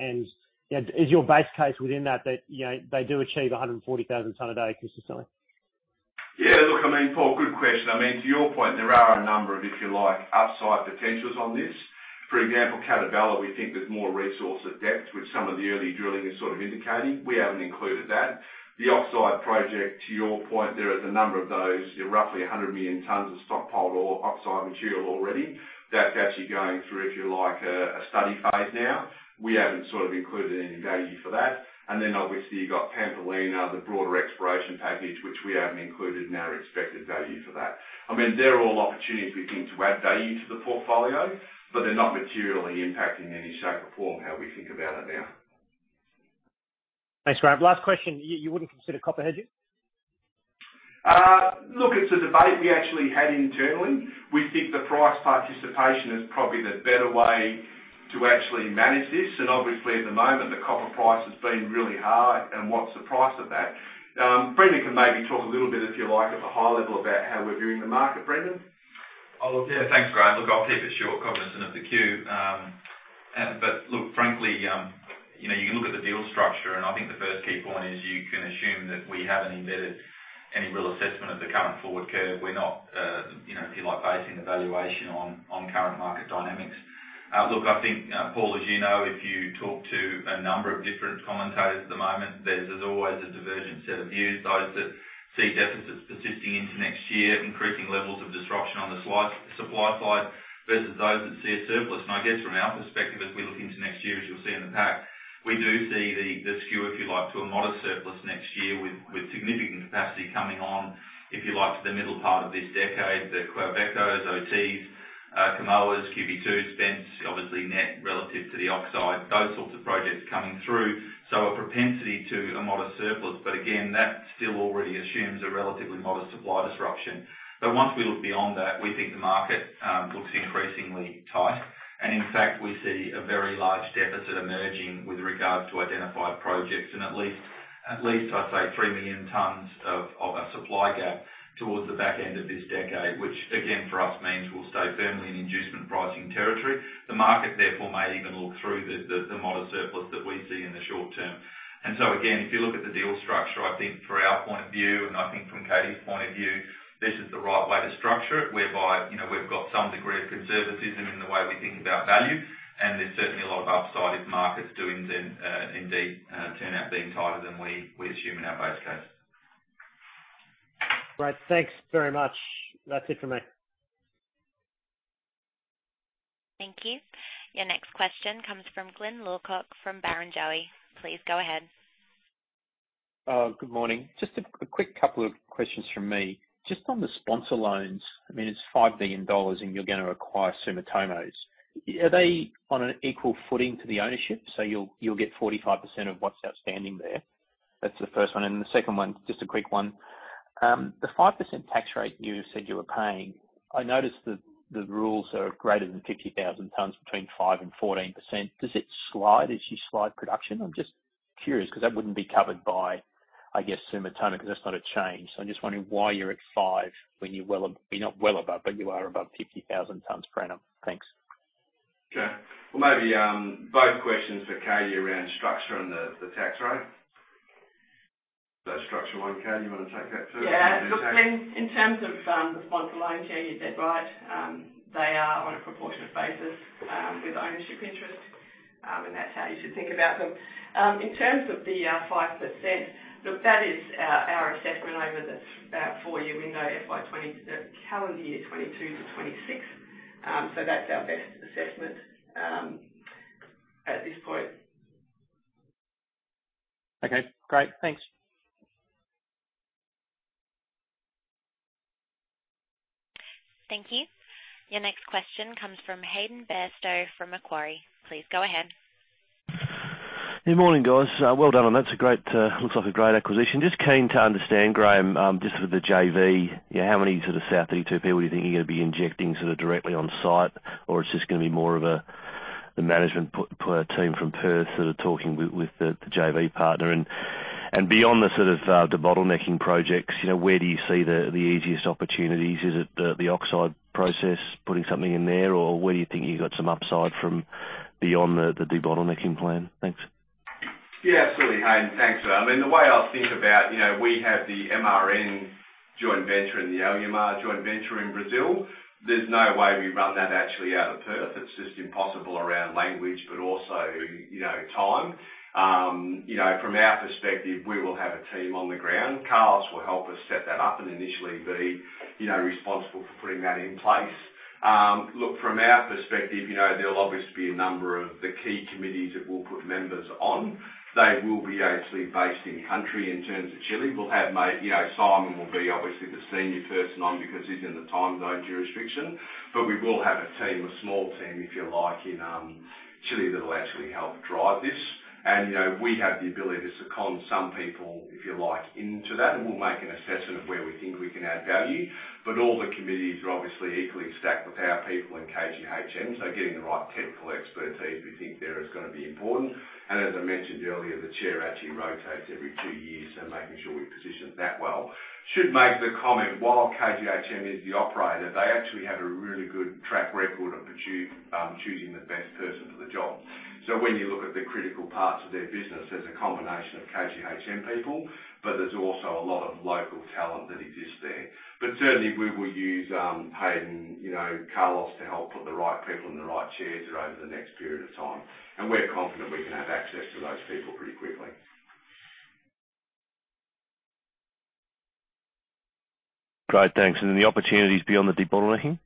You know, is your base case within that you know they do achieve 140,000 tons a day consistently? Yeah, look, I mean, Paul, good question. I mean, to your point, there are a number of, if you like, upside potentials on this. For example, Catabela, we think there's more resource at depth, which some of the early drilling is sort of indicating. We haven't included that. The oxide project, to your point, there is a number of those, you know, roughly 100 million tons of stockpiled or oxide material already. That's actually going through, if you like, a study phase now. We haven't sort of included any value for that. And then obviously, you've got Pampa Lina, the broader exploration package, which we haven't included in our expected value for that. I mean, they're all opportunities we think to add value to the portfolio, but they're not materially impacting any shape or form how we think about it now. Thanks, Graham. Last question, you wouldn't consider copper hedging? ...Look, it's a debate we actually had internally. We think the price participation is probably the better way to actually manage this, and obviously, at the moment, the copper price has been really high, and what's the price of that? Brendan can maybe talk a little bit, if you like, at the high level about how we're viewing the market, Brendan? Oh, look, yeah, thanks, Graham. Look, I'll keep it short, cognizant of the queue. But look, frankly, you know, you can look at the deal structure, and I think the first key point is you can assume that we haven't embedded any real assessment of the current forward curve. We're not, you know, if you like, basing the valuation on current market dynamics. Look, I think, Paul, as you know, if you talk to a number of different commentators at the moment, there's always a divergent set of views. Those that see deficits persisting into next year, increasing levels of disruption on the supply side, versus those that see a surplus. And I guess from our perspective, as we look into next year, as you'll see in the pack, we do see the skew, if you like, to a modest surplus next year, with significant capacity coming on, if you like, to the middle part of this decade. The Quellavecos, OTs, Kamoas, QB2s, Spence, obviously net relative to the oxide, those sorts of projects coming through. So a propensity to a modest surplus, but again, that still already assumes a relatively modest supply disruption. But once we look beyond that, we think the market looks increasingly tight. And in fact, we see a very large deficit emerging with regards to identified projects, and at least I'd say 3 million tons of a supply gap towards the back end of this decade, which again, for us means we'll stay firmly in inducement pricing territory. The market therefore may even look through the modest surplus that we see in the short term. And so again, if you look at the deal structure, I think from our point of view, and I think from Katie's point of view, this is the right way to structure it, whereby, you know, we've got some degree of conservatism in the way we think about value, and there's certainly a lot of upside if markets do indeed turn out being tighter than we assume in our base case. Great. Thanks very much. That's it for me. Thank you. Your next question comes from Glyn Lawcock, from Barrenjoey. Please go ahead. Good morning. Just a quick couple of questions from me. Just on the sponsor loans, I mean, it's $5 billion, and you're gonna acquire Sumitomo's. Are they on an equal footing to the ownership? So you'll, you'll get 45% of what's outstanding there. That's the first one, and the second one, just a quick one. The 5% tax rate you said you were paying, I noticed that the rules are greater than 50,000 tons between 5% and 14%. Does it slide as you slide production? I'm just curious, 'cause that wouldn't be covered by, I guess, Sumitomo, 'cause that's not a change. So I'm just wondering why you're at 5% when you're well ab- you're not well above, but you are above 50,000 tons per annum. Thanks. Okay. Well, maybe, both questions for Katie around structure and the, the tax rate. The structure one, Katie, you want to take that first? Yeah. Look, Glyn, in terms of the sponsor loans, yeah, you're dead right. They are on a proportionate basis with ownership interest, and that's how you should think about them. In terms of the 5%, look, that is our assessment over the four-year window, FY 2022 calendar year 2022 to 2026. So that's our best assessment at this point. Okay, great. Thanks. Thank you. Your next question comes from Hayden Bairstow, from Macquarie. Please go ahead. Good morning, guys. Well done on that. It's a great, looks like a great acquisition. Just keen to understand, Graham, just with the JV, you know, how many sort of South32 people do you think you're gonna be injecting sort of directly on site? Or it's just gonna be more of a, the management per team from Perth that are talking with the JV partner? And beyond the sort of, debottlenecking projects, you know, where do you see the easiest opportunities? Is it the oxide process, putting something in there? Or where do you think you've got some upside from beyond the debottlenecking plan? Thanks. Yeah, absolutely, Hayden. Thanks. I mean, the way I think about, you know, we have the MRN joint venture and the Alumar joint venture in Brazil. There's no way we run that actually out of Perth. It's just impossible around language, but also, you know, time. You know, from our perspective, we will have a team on the ground. Carlos will help us set that up and initially be, you know, responsible for putting that in place. Look, from our perspective, you know, there'll obviously be a number of the key committees that we'll put members on. They will be actually based in country in terms of Chile. We'll have you know, Simon will be obviously the senior person on, because he's in the time zone jurisdiction. But we will have a team, a small team, if you like, in Chile, that will actually help drive this. And, you know, we have the ability to second some people, if you like, into that, and we'll make an assessment of where we think we can add value. But all the committees are obviously equally stacked with our people and KGHM, so getting the right technical expertise, we think there is gonna be important. And as I mentioned earlier, the chair actually rotates every two years, so making sure we position that well. Should make the comment, while KGHM is the operator, they actually have a really good track record of picking choosing the best person for the job. So when you look at the critical parts of their business, there's a combination of KGHM people, but there's also a lot of local talent that exists there. But certainly, we will use, Hayden, you know, Carlos, to help put the right people in the right chairs over the next period of time. We're confident we can have access to those people pretty quickly. Great, thanks. The opportunities beyond the debottlenecking?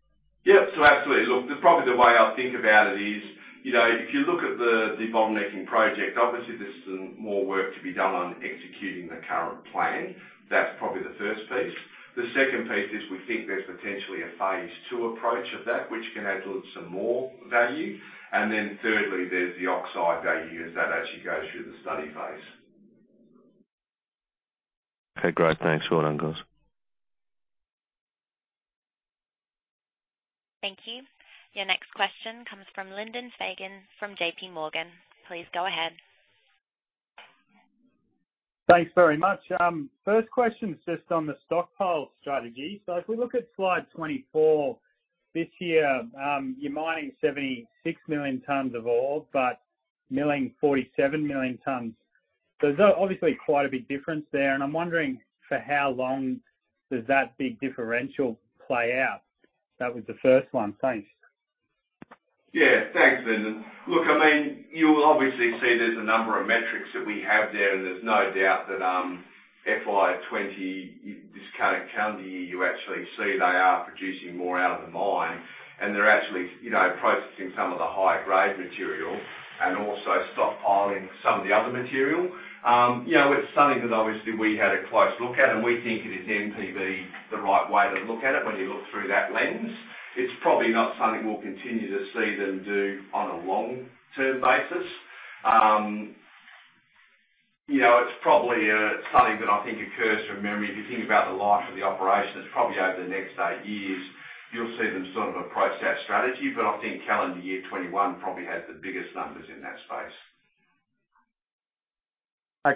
Yeah, so absolutely. Look, the, probably the way I think about it is, you know, if you look at the debottlenecking project, obviously there's some more work to be done on executing the current plan. That's probably the first piece. The second piece is, we think there's potentially a phase two approach of that, which can add some more value. And then thirdly, there's the oxide value as that actually goes through the study phase. Okay, great. Thanks. Well done, guys.... Thank you. Your next question comes from Lyndon Fagan from J.P. Morgan. Please go ahead. Thanks very much. First question is just on the stockpile strategy. So if we look at slide 24 this year, you're mining 76 million tons of ore, but milling 47 million tons. So there's obviously quite a big difference there, and I'm wondering for how long does that big differential play out? That was the first one. Thanks. Yeah, thanks, Lyndon. Look, I mean, you will obviously see there's a number of metrics that we have there, and there's no doubt that, FY 2020, this current calendar year, you actually see they are producing more out of the mine, and they're actually, you know, processing some of the high-grade material and also stockpiling some of the other material. You know, it's something that obviously we had a close look at, and we think it is NPV, the right way to look at it when you look through that lens. It's probably not something we'll continue to see them do on a long-term basis. You know, it's probably, something that I think occurs from memory. If you think about the life of the operation, it's probably over the next eight years, you'll see them sort of approach that strategy. But I think calendar year 2021 probably has the biggest numbers in that space.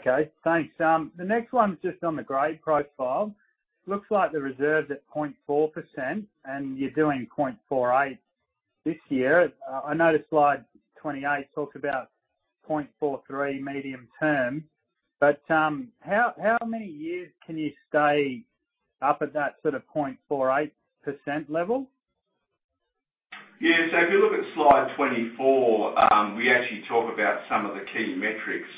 Okay, thanks. The next one's just on the grade profile. Looks like the reserve's at 0.4%, and you're doing 0.48% this year. I noticed slide 28 talks about 0.43% medium term, but, how many years can you stay up at that sort of 0.48% level? Yeah, so if you look at slide 24, we actually talk about some of the key metrics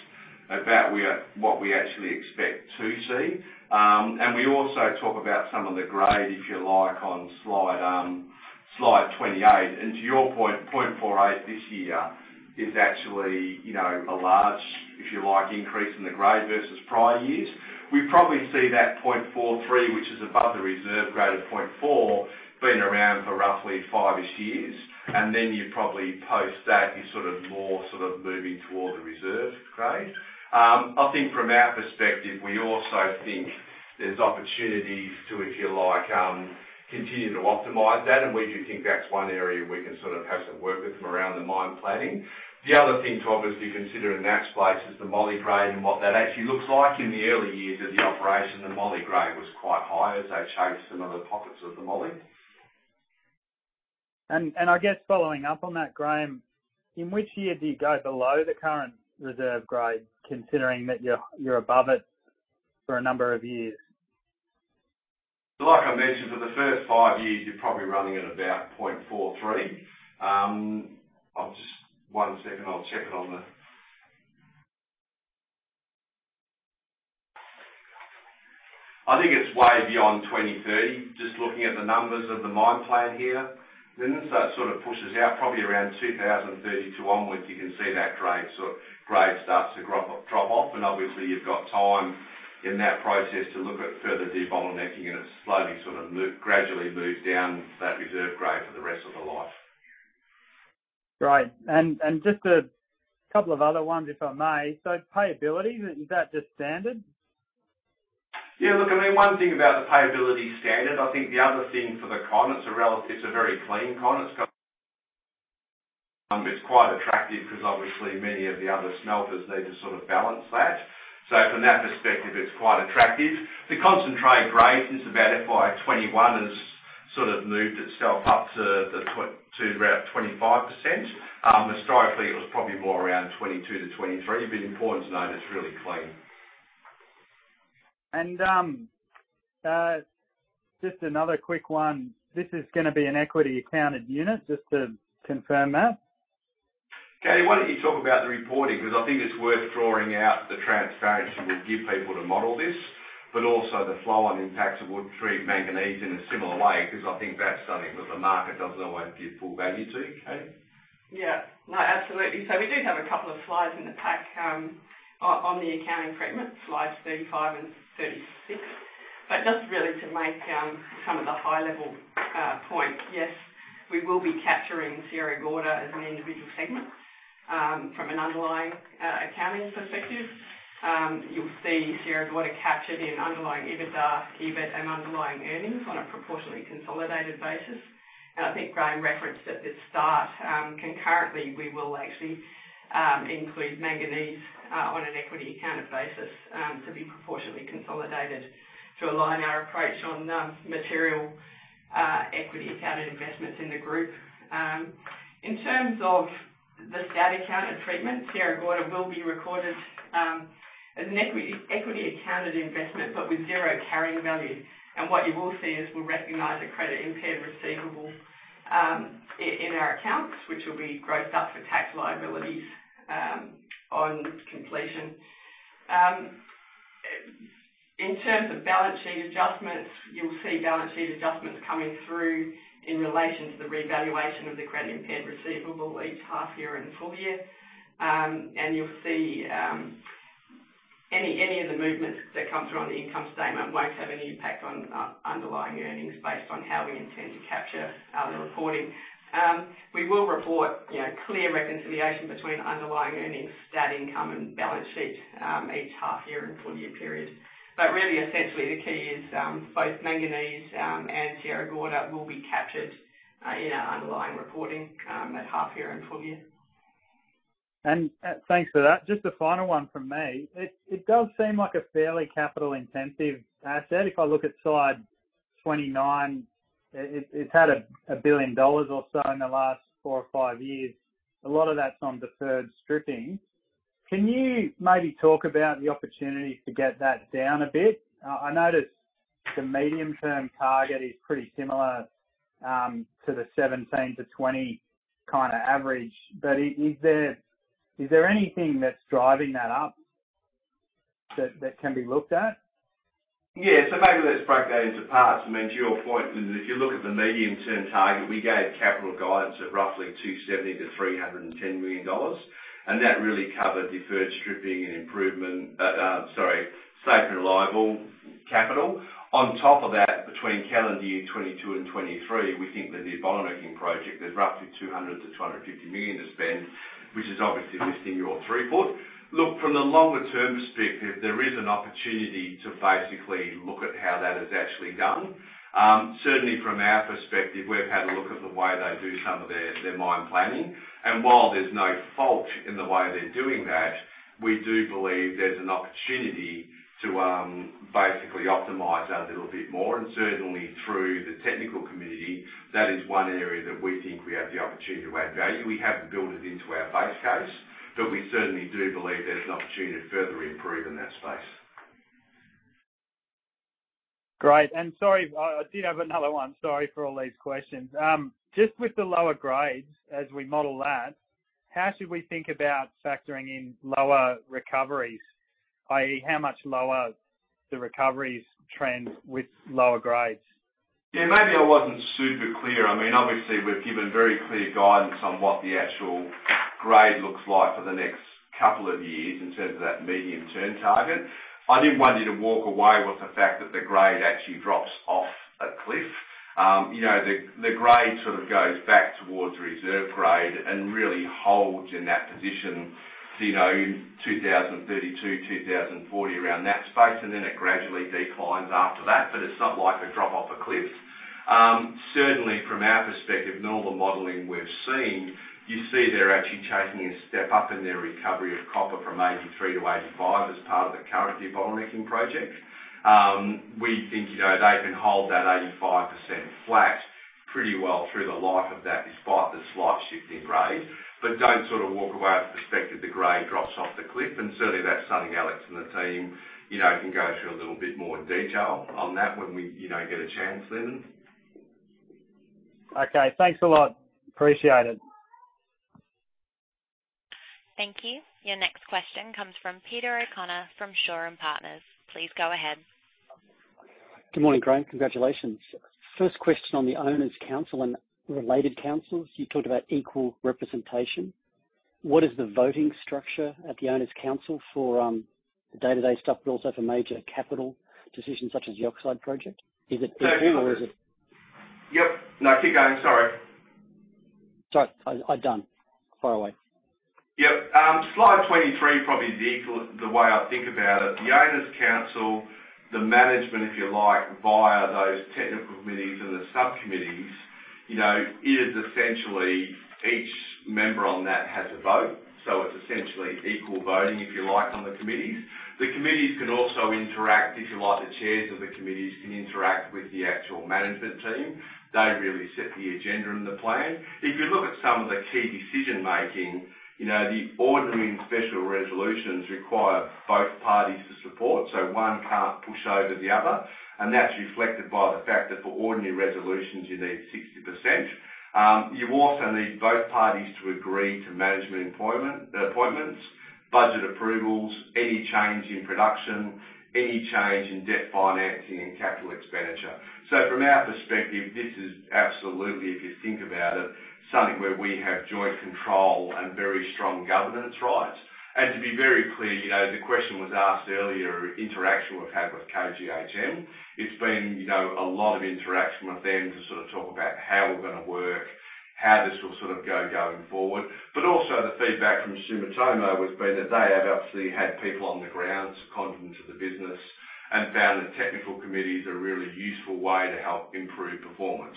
about what we actually expect to see. And we also talk about some of the grade, if you like, on slide 28. And to your point, 0.48 this year is actually, you know, a large, if you like, increase in the grade versus prior years. We probably see that 0.43, which is above the reserve grade of 0.4, been around for roughly 5 years. And then you probably post that, you're sort of more sort of moving toward the reserve grade. I think from our perspective, we also think there's opportunities to, if you like, continue to optimize that, and we do think that's one area we can sort of have some work with from around the mine planning. The other thing to obviously consider in that space is the moly grade and what that actually looks like. In the early years of the operation, the moly grade was quite high as they chased some of the pockets of the moly. I guess following up on that, Graham, in which year do you go below the current reserve grade, considering that you're above it for a number of years? Like I mentioned, for the first five years, you're probably running at about 0.43. I'll just... One second, I'll check it on the... I think it's way beyond 2030, just looking at the numbers of the mine plan here. Then, so it sort of pushes out probably around 2032 onwards, you can see that grade, sort of, grade starts to drop, drop off, and obviously you've got time in that process to look at further debottlenecking, and it slowly, sort of, gradually moves down that reserve grade for the rest of the life. Great. And just a couple of other ones, if I may. So payability, is that just standard? Yeah, look, I mean, one thing about the payability standard, I think the other thing for the con, it's a relative, it's a very clean con. It's quite attractive because obviously many of the other smelters need to sort of balance that. So from that perspective, it's quite attractive. The concentrate grade is about FY 2021, has sort of moved itself up to the twen- to around 25%. Historically, it was probably more around 22%-23%. But important to note, it's really clean. Just another quick one. This is gonna be an equity accounted unit, just to confirm that? Katie, why don't you talk about the reporting? Because I think it's worth drawing out the transparency we give people to model this, but also the flow-on impacts of Mozal and Manganese in a similar way, because I think that's something that the market doesn't always give full value to. Katie? Yeah. No, absolutely. So we do have a couple of slides in the pack on the accounting treatment, slides 35 and 36. But just really to make kind of the high-level point, yes, we will be capturing Sierra Gorda as an individual segment from an underlying accounting perspective. You'll see Sierra Gorda captured in underlying EBITDA, EBIT, and underlying earnings on a proportionately consolidated basis. And I think Graham referenced at the start, concurrently, we will actually include Manganese on an equity accounted basis to be proportionately consolidated to align our approach on material equity accounted investments in the group. In terms of the statutory accounted treatment, Sierra Gorda will be recorded as an equity accounted investment, but with zero carrying value. What you will see is we'll recognize a credit-impaired receivable in our accounts, which will be grossed up for tax liabilities on completion. In terms of balance sheet adjustments, you'll see balance sheet adjustments coming through in relation to the revaluation of the credit-impaired receivable each half year and full year. And you'll see any of the movements that come through on the income statement won't have any impact on underlying earnings based on how we intend to capture the reporting. We will report, you know, clear reconciliation between underlying earnings, stat income, and balance sheet each half year and full year period. But really, essentially, the key is both Manganese and Sierra Gorda will be captured in our underlying reporting at half year and full year. ...And, thanks for that. Just a final one from me. It does seem like a fairly capital-intensive asset. If I look at slide 29, it's had a $1 billion or so in the last four or five years. A lot of that's on deferred stripping. Can you maybe talk about the opportunity to get that down a bit? I noticed the medium-term target is pretty similar to the 17-20 kind of average. But is there anything that's driving that up that can be looked at? Yeah. So maybe let's break that into parts. I mean, to your point, if you look at the medium-term target, we gave capital guidance of roughly $270 million-$310 million, and that really covered deferred stripping and improvement, sorry, safe and reliable capital. On top of that, between calendar year 2022 and 2023, we think that the Debottlenecking project, there's roughly $200 million-$250 million to spend, which is obviously increasing our throughput. Look, from the longer term perspective, there is an opportunity to basically look at how that is actually done. Certainly from our perspective, we've had a look at the way they do some of their mine planning, and while there's no fault in the way they're doing that, we do believe there's an opportunity to basically optimize that a little bit more, and certainly through the technical committee, that is one area that we think we have the opportunity to add value. We haven't built it into our base case, but we certainly do believe there's an opportunity to further improve in that space. Great. Sorry, I did have another one. Sorry for all these questions. Just with the lower grades, as we model that, how should we think about factoring in lower recoveries? i.e., how much lower the recoveries trend with lower grades? Yeah, maybe I wasn't super clear. I mean, obviously, we've given very clear guidance on what the actual grade looks like for the next couple of years, in terms of that medium-term target. I didn't want you to walk away with the fact that the grade actually drops off a cliff. You know, the grade sort of goes back towards reserve grade and really holds in that position, you know, in 2032, 2040, around that space, and then it gradually declines after that, but it's not like a drop off a cliff. Certainly from our perspective, normal modeling we've seen, you see they're actually taking a step up in their recovery of copper from 83 to 85, as part of the current debottlenecking project. We think, you know, they can hold that 85% flat pretty well through the life of that, despite the slight shift in grade. But don't sort of walk away with the perspective, the grade drops off the cliff, and certainly that's something Alex and the team, you know, can go through a little bit more detail on that when we, you know, get a chance then. Okay, thanks a lot. Appreciate it. Thank you. Your next question comes from Peter O'Connor, from Shaw and Partners. Please go ahead. Good morning, Graham. Congratulations. First question on the Owners' Council and related councils. You talked about equal representation. What is the voting structure at the Owners' Council for the day-to-day stuff, but also for major capital decisions such as the Oxide project? Is it equal or is it- Yep. No, keep going. Sorry. Sorry, I've done. Fire away. Yep. Slide 23, probably equal the way I think about it. The Owners' Council, the management, if you like, via those technical committees and the subcommittees, you know, is essentially each member on that has a vote, so it's essentially equal voting, if you like, on the committees. The committees can also interact, if you like. The chairs of the committees can interact with the actual management team. They really set the agenda and the plan. If you look at some of the key decision-making, you know, the ordinary and special resolutions require both parties to support, so one can't push over the other. And that's reflected by the fact that for ordinary resolutions, you need 60%. You also need both parties to agree to management employment, appointments, budget approvals, any change in production, any change in debt financing and capital expenditure. So from our perspective, this is absolutely, if you think about it, something where we have joint control and very strong governance rights. And to be very clear, you know, the question was asked earlier, interaction we've had with KGHM. It's been, you know, a lot of interaction with them to sort of talk about how we're gonna work, how this will sort of go going forward. But also the feedback from Sumitomo has been that they have obviously had people on the ground, confident to the business, and found that technical committees are a really useful way to help improve performance.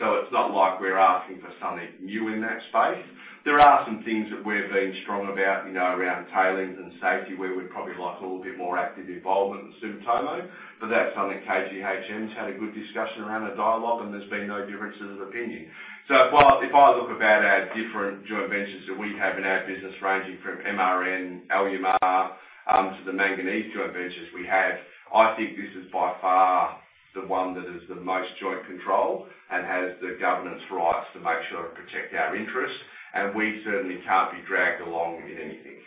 So it's not like we're asking for something new in that space. There are some things that we've been strong about, you know, around tailings and safety, where we'd probably like a little bit more active involvement with Sumitomo. But that's something KGHM has had a good discussion around the dialogue, and there's been no differences of opinion. So if I, if I look about our different joint ventures that we have in our business, ranging from MRN, Alumar, to the manganese joint ventures we have, I think this is by far the one that is the most joint control and has the governance rights to make sure and protect our interests. And we certainly can't be dragged along in anything.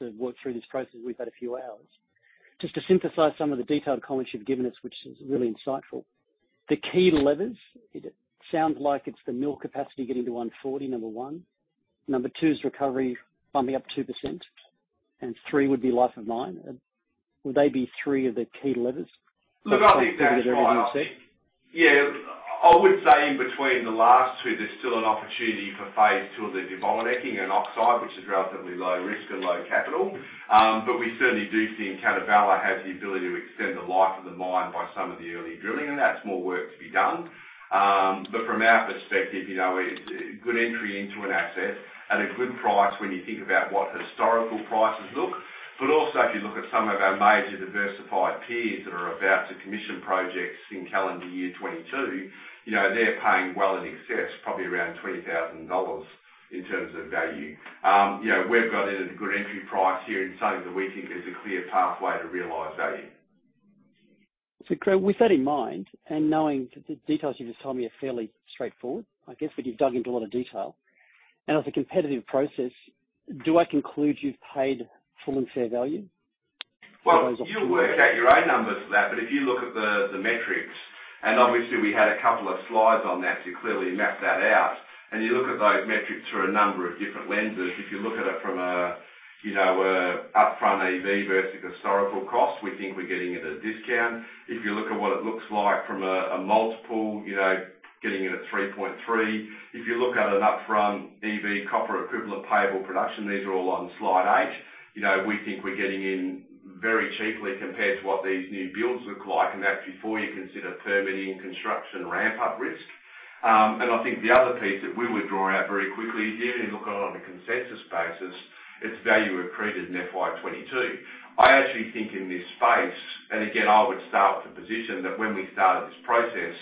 To work through this process, we've had a few hours. Just to synthesize some of the detailed comments you've given us, which is really insightful. The key levers, it sounds like it's the mill capacity getting to 140, number 1. Number 2, is recovery bumping up 2%, and 3 would be life of mine. Would they be three of the key levers? Look, I think that's right. Yeah, I would say in between the last two, there's still an opportunity for phase two of the debottlenecking and oxide, which is relatively low risk and low capital. But we certainly do think Catabela has the ability to extend the life of the mine by some of. You know, that's more work to be done. But from our perspective, you know, it, it, good entry into an asset at a good price when you think about what historical prices look. But also, if you look at some of our major diversified peers that are about to commission projects in calendar year 2022, you know, they're paying well in excess, probably around $20,000 in terms of value. You know, we've got in at a good entry price here and something that we think is a clear pathway to realize value. So, Graham, with that in mind, and knowing that the details you just told me are fairly straightforward, I guess, but you've dug into a lot of detail. And as a competitive process, do I conclude you've paid full and fair value? Well, you'll work out your own numbers for that. But if you look at the metrics, and obviously we had a couple of slides on that to clearly map that out, and you look at those metrics through a number of different lenses. If you look at it from a, you know, an upfront EV versus historical cost, we think we're getting it at a discount. If you look at what it looks like from a multiple, you know, getting it at 3.3. If you look at an upfront EV, copper equivalent payable production, these are all on slide 8. You know, we think we're getting in very cheaply compared to what these new builds look like, and that's before you consider permitting, construction, ramp up risk. And I think the other piece that we would draw out very quickly, even if you look on a consensus basis, it's value accretive in FY 2022. I actually think in this space, and again, I would start with the position that when we started this process,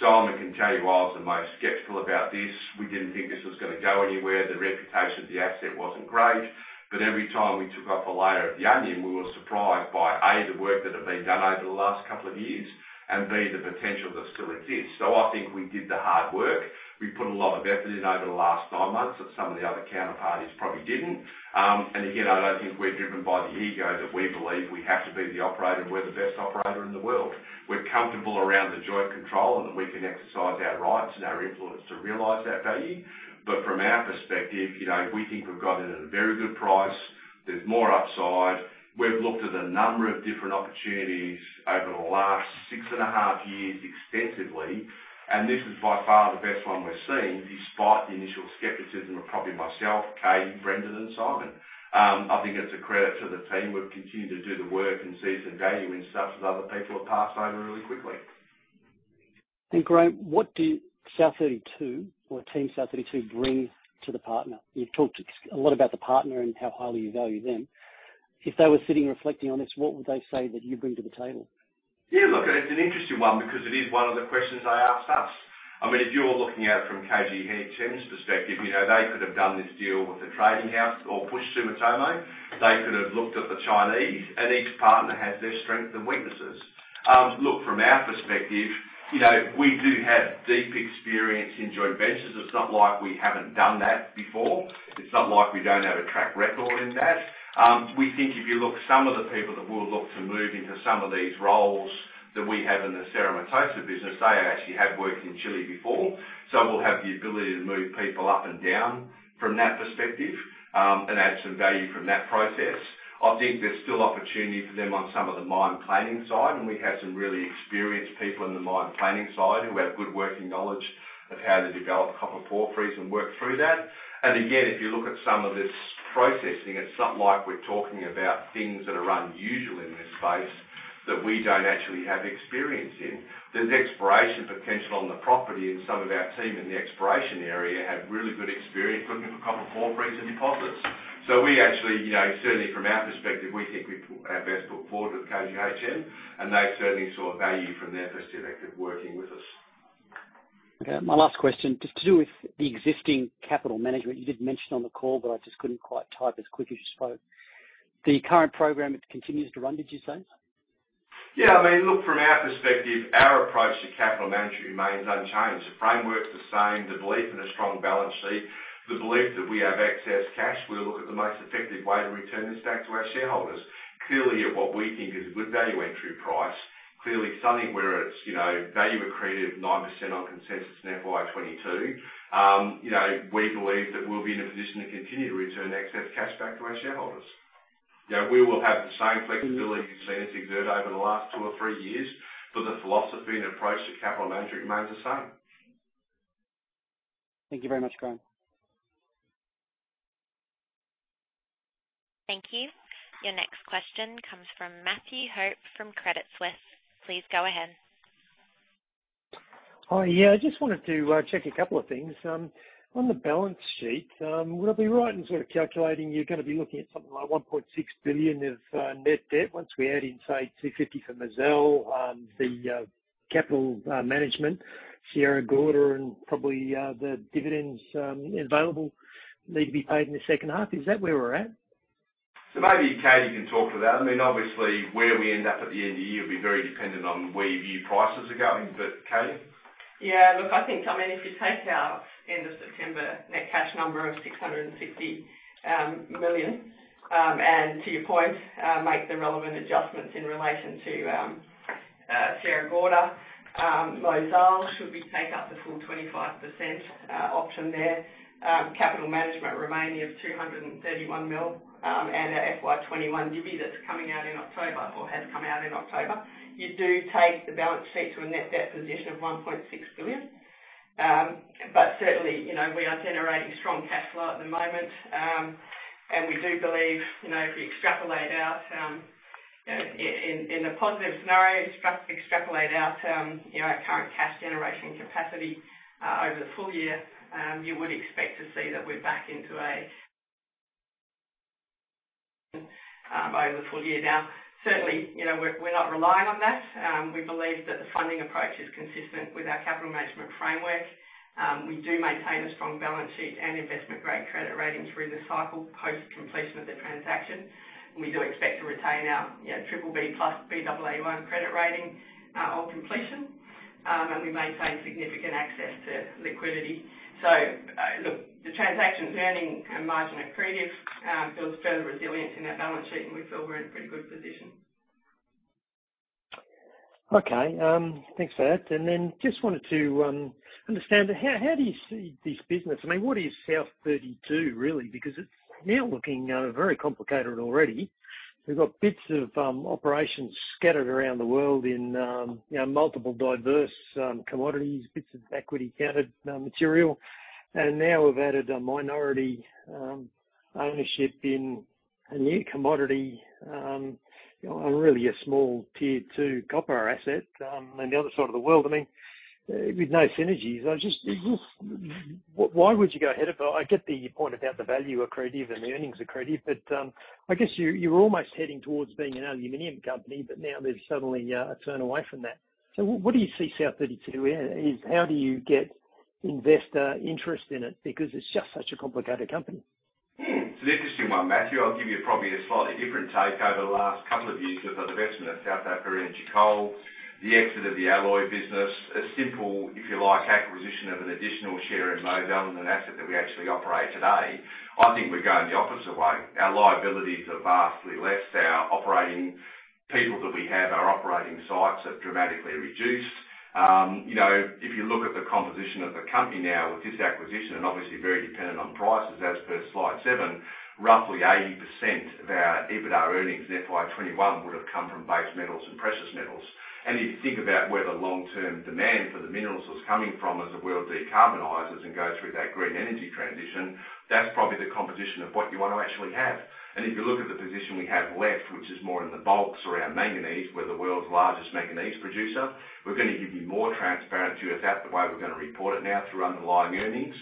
Simon can tell you I was the most skeptical about this. We didn't think this was gonna go anywhere. The reputation of the asset wasn't great. But every time we took off a layer of the onion, we were surprised by, A, the work that had been done over the last couple of years, and B, the potential that still exists. So I think we did the hard work. We put a lot of effort in over the last 9 months, that some of the other counterparties probably didn't. And again, I don't think we're driven by the ego that we believe we have to be the operator, and we're the best operator in the world. We're comfortable around the joint control, and that we can exercise our rights and our influence to realize that value. But from our perspective, you know, we think we've got it at a very good price. There's more upside. We've looked at a number of different opportunities over the last six and a half years extensively, and this is by far the best one we've seen, despite the initial skepticism of probably myself, Katie, Brendan, and Simon. I think it's a credit to the team who have continued to do the work and see some value in stuff that other people have passed over really quickly. Graham, what do South32 or team South32 bring to the partner? You've talked a lot about the partner and how highly you value them. If they were sitting and reflecting on this, what would they say that you bring to the table? Yeah, look, it's an interesting one because it is one of the questions they asked us. I mean, if you're looking at it from KGHM's perspective, you know, they could have done this deal with a trading house or pushed Sumitomo. They could have looked at the Chinese, and each partner has their strengths and weaknesses. Look, from our perspective, you know, we do have deep experience in joint ventures. It's not like we haven't done that before. It's not like we don't have a track record in that. We think if you look, some of the people that we'll look to move into some of these roles that we have in the Cerro Matoso business, they actually have worked in Chile before. So we'll have the ability to move people up and down from that perspective, and add some value from that process. I think there's still opportunity for them on some of the mine planning side, and we have some really experienced people in the mine planning side who have good working knowledge of how to develop copper porphyries and work through that. And again, if you look at some of this processing, it's not like we're talking about things that are unusual in this space that we don't actually have experience in. There's exploration potential on the property, and some of our team in the exploration area have really good experience looking for copper porphyries and deposits. So we actually, you know, certainly from our perspective, we think we put our best foot forward with KGHM, and they certainly saw value from their perspective working with us. Okay, my last question, just to do with the existing capital management. You did mention on the call, but I just couldn't quite type as quick as you spoke. The current program, it continues to run, did you say? Yeah, I mean, look, from our perspective, our approach to capital management remains unchanged. The framework's the same, the belief in a strong balance sheet, the belief that we have excess cash. We'll look at the most effective way to return this back to our shareholders. Clearly, at what we think is a good value entry price, clearly something where it's, you know, value accretive, 9% on consensus in FY 2022. You know, we believe that we'll be in a position to continue to return excess cash back to our shareholders. You know, we will have the same flexibility you've seen us exert over the last two or three years, but the philosophy and approach to capital management remains the same. Thank you very much, Graham. Thank you. Your next question comes from Matthew Hope, from Credit Suisse. Please go ahead. Hi. Yeah, I just wanted to check a couple of things. On the balance sheet, would I be right in sort of calculating, you're gonna be looking at something like $1.6 billion of net debt once we add in, say, $250 million for Mozal, the capital management, Sierra Gorda, and probably the dividends available need to be paid in the second half. Is that where we're at? Maybe Katie can talk to that. I mean, obviously, where we end up at the end of the year will be very dependent on where we view prices are going. Katie? Yeah, look, I think, I mean, if you take our end of September net cash number of $660 million, and to your point, make the relevant adjustments in relation to Sierra Gorda, Mozal, should we take up the full 25% option there. Capital management remaining of $231 million, and our FY 2021 divvy that's coming out in October or has come out in October. You do take the balance sheet to a net debt position of $1.6 billion. But certainly, you know, we are generating strong cash flow at the moment. We do believe, you know, if we extrapolate out in a positive scenario, you know, our current cash generation capacity over the full year, you would expect to see that we're back into a over the full year. Now, certainly, you know, we're not relying on that. We believe that the funding approach is consistent with our capital management framework. We do maintain a strong balance sheet and investment-grade credit rating through the cycle, post completion of the transaction. We do expect to retain our, you know, triple B plus, Baa1 credit rating on completion. And we maintain significant access to liquidity. So, look, the transaction is earning and margin accretive, builds further resilience in our balance sheet, and we feel we're in a pretty good position. Okay, thanks for that. And then just wanted to understand, how do you see this business? I mean, what is South32, really? Because it's now looking very complicated already. We've got bits of operations scattered around the world in, you know, multiple diverse commodities, bits of equity accounted material. And now we've added a minority ownership in a new commodity, really a small tier two copper asset, on the other side of the world. I mean, with no synergies. I just- it just... Why would you go ahead of it? I get the point about the value accretive and the earnings accretive, but I guess you, you're almost heading towards being an aluminum company, but now there's suddenly a turn away from that. So what do you see South32 as? How do you get investor interest in it? Because it's just such a complicated company. Hmm. It's an interesting one, Matthew. I'll give you probably a slightly different take. Over the last couple of years, with our investment in South African Energy Coal, the exit of the alloy business, a simple, if you like, acquisition of an additional share in Mozal than an asset that we actually operate today. I think we're going the opposite way. Our liabilities are vastly less. Our operating people that we have, our operating sites have dramatically reduced. You know, if you look at the composition of the company now with this acquisition, and obviously very dependent on prices, as per slide 7, roughly 80% of our EBITDA earnings in FY 2021 would have come from base metals and precious metals. If you think about where the long-term demand for the minerals was coming from, as the world decarbonizes and goes through that green energy transition, that's probably the composition of what you want to actually have. If you look at the position we have left, which is more in the bulks around manganese, we're the world's largest manganese producer. We're going to give you more transparency with that, the way we're gonna report it now through underlying earnings.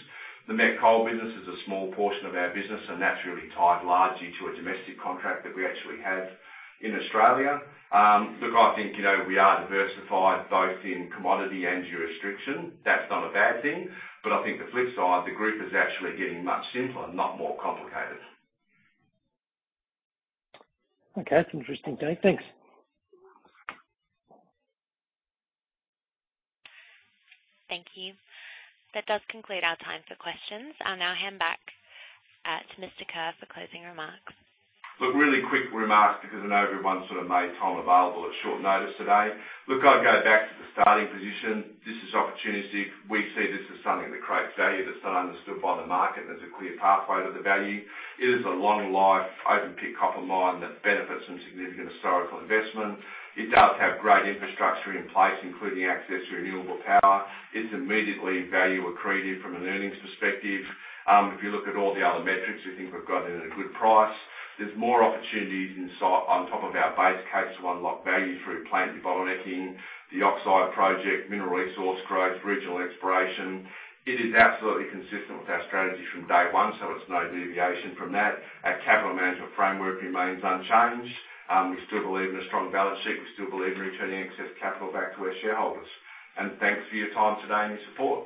The met coal business is a small portion of our business, and naturally tied largely to a domestic contract that we actually have in Australia. Look, I think, you know, we are diversified both in commodity and jurisdiction. That's not a bad thing, but I think the flip side, the group is actually getting much simpler, not more complicated. Okay, that's an interesting take. Thanks. Thank you. That does conclude our time for questions. I'll now hand back to Mr. Kerr for closing remarks. Look, really quick remarks, because I know everyone sort of made time available at short notice today. Look, I'd go back to the starting position. This is opportunistic. We see this as something that creates value, that's not understood by the market. There's a clear pathway to the value. It is a long-life, open pit copper mine that benefits from significant historical investment. It does have great infrastructure in place, including access to renewable power. It's immediately value accretive from an earnings perspective. If you look at all the other metrics, we think we've got it at a good price. There's more opportunities in sight on top of our base case to unlock value through plant bottlenecking, the oxide project, mineral resource growth, regional exploration. It is absolutely consistent with our strategy from day one, so it's no deviation from that. Our capital management framework remains unchanged. We still believe in a strong balance sheet. We still believe in returning excess capital back to our shareholders. Thanks for your time today and your support.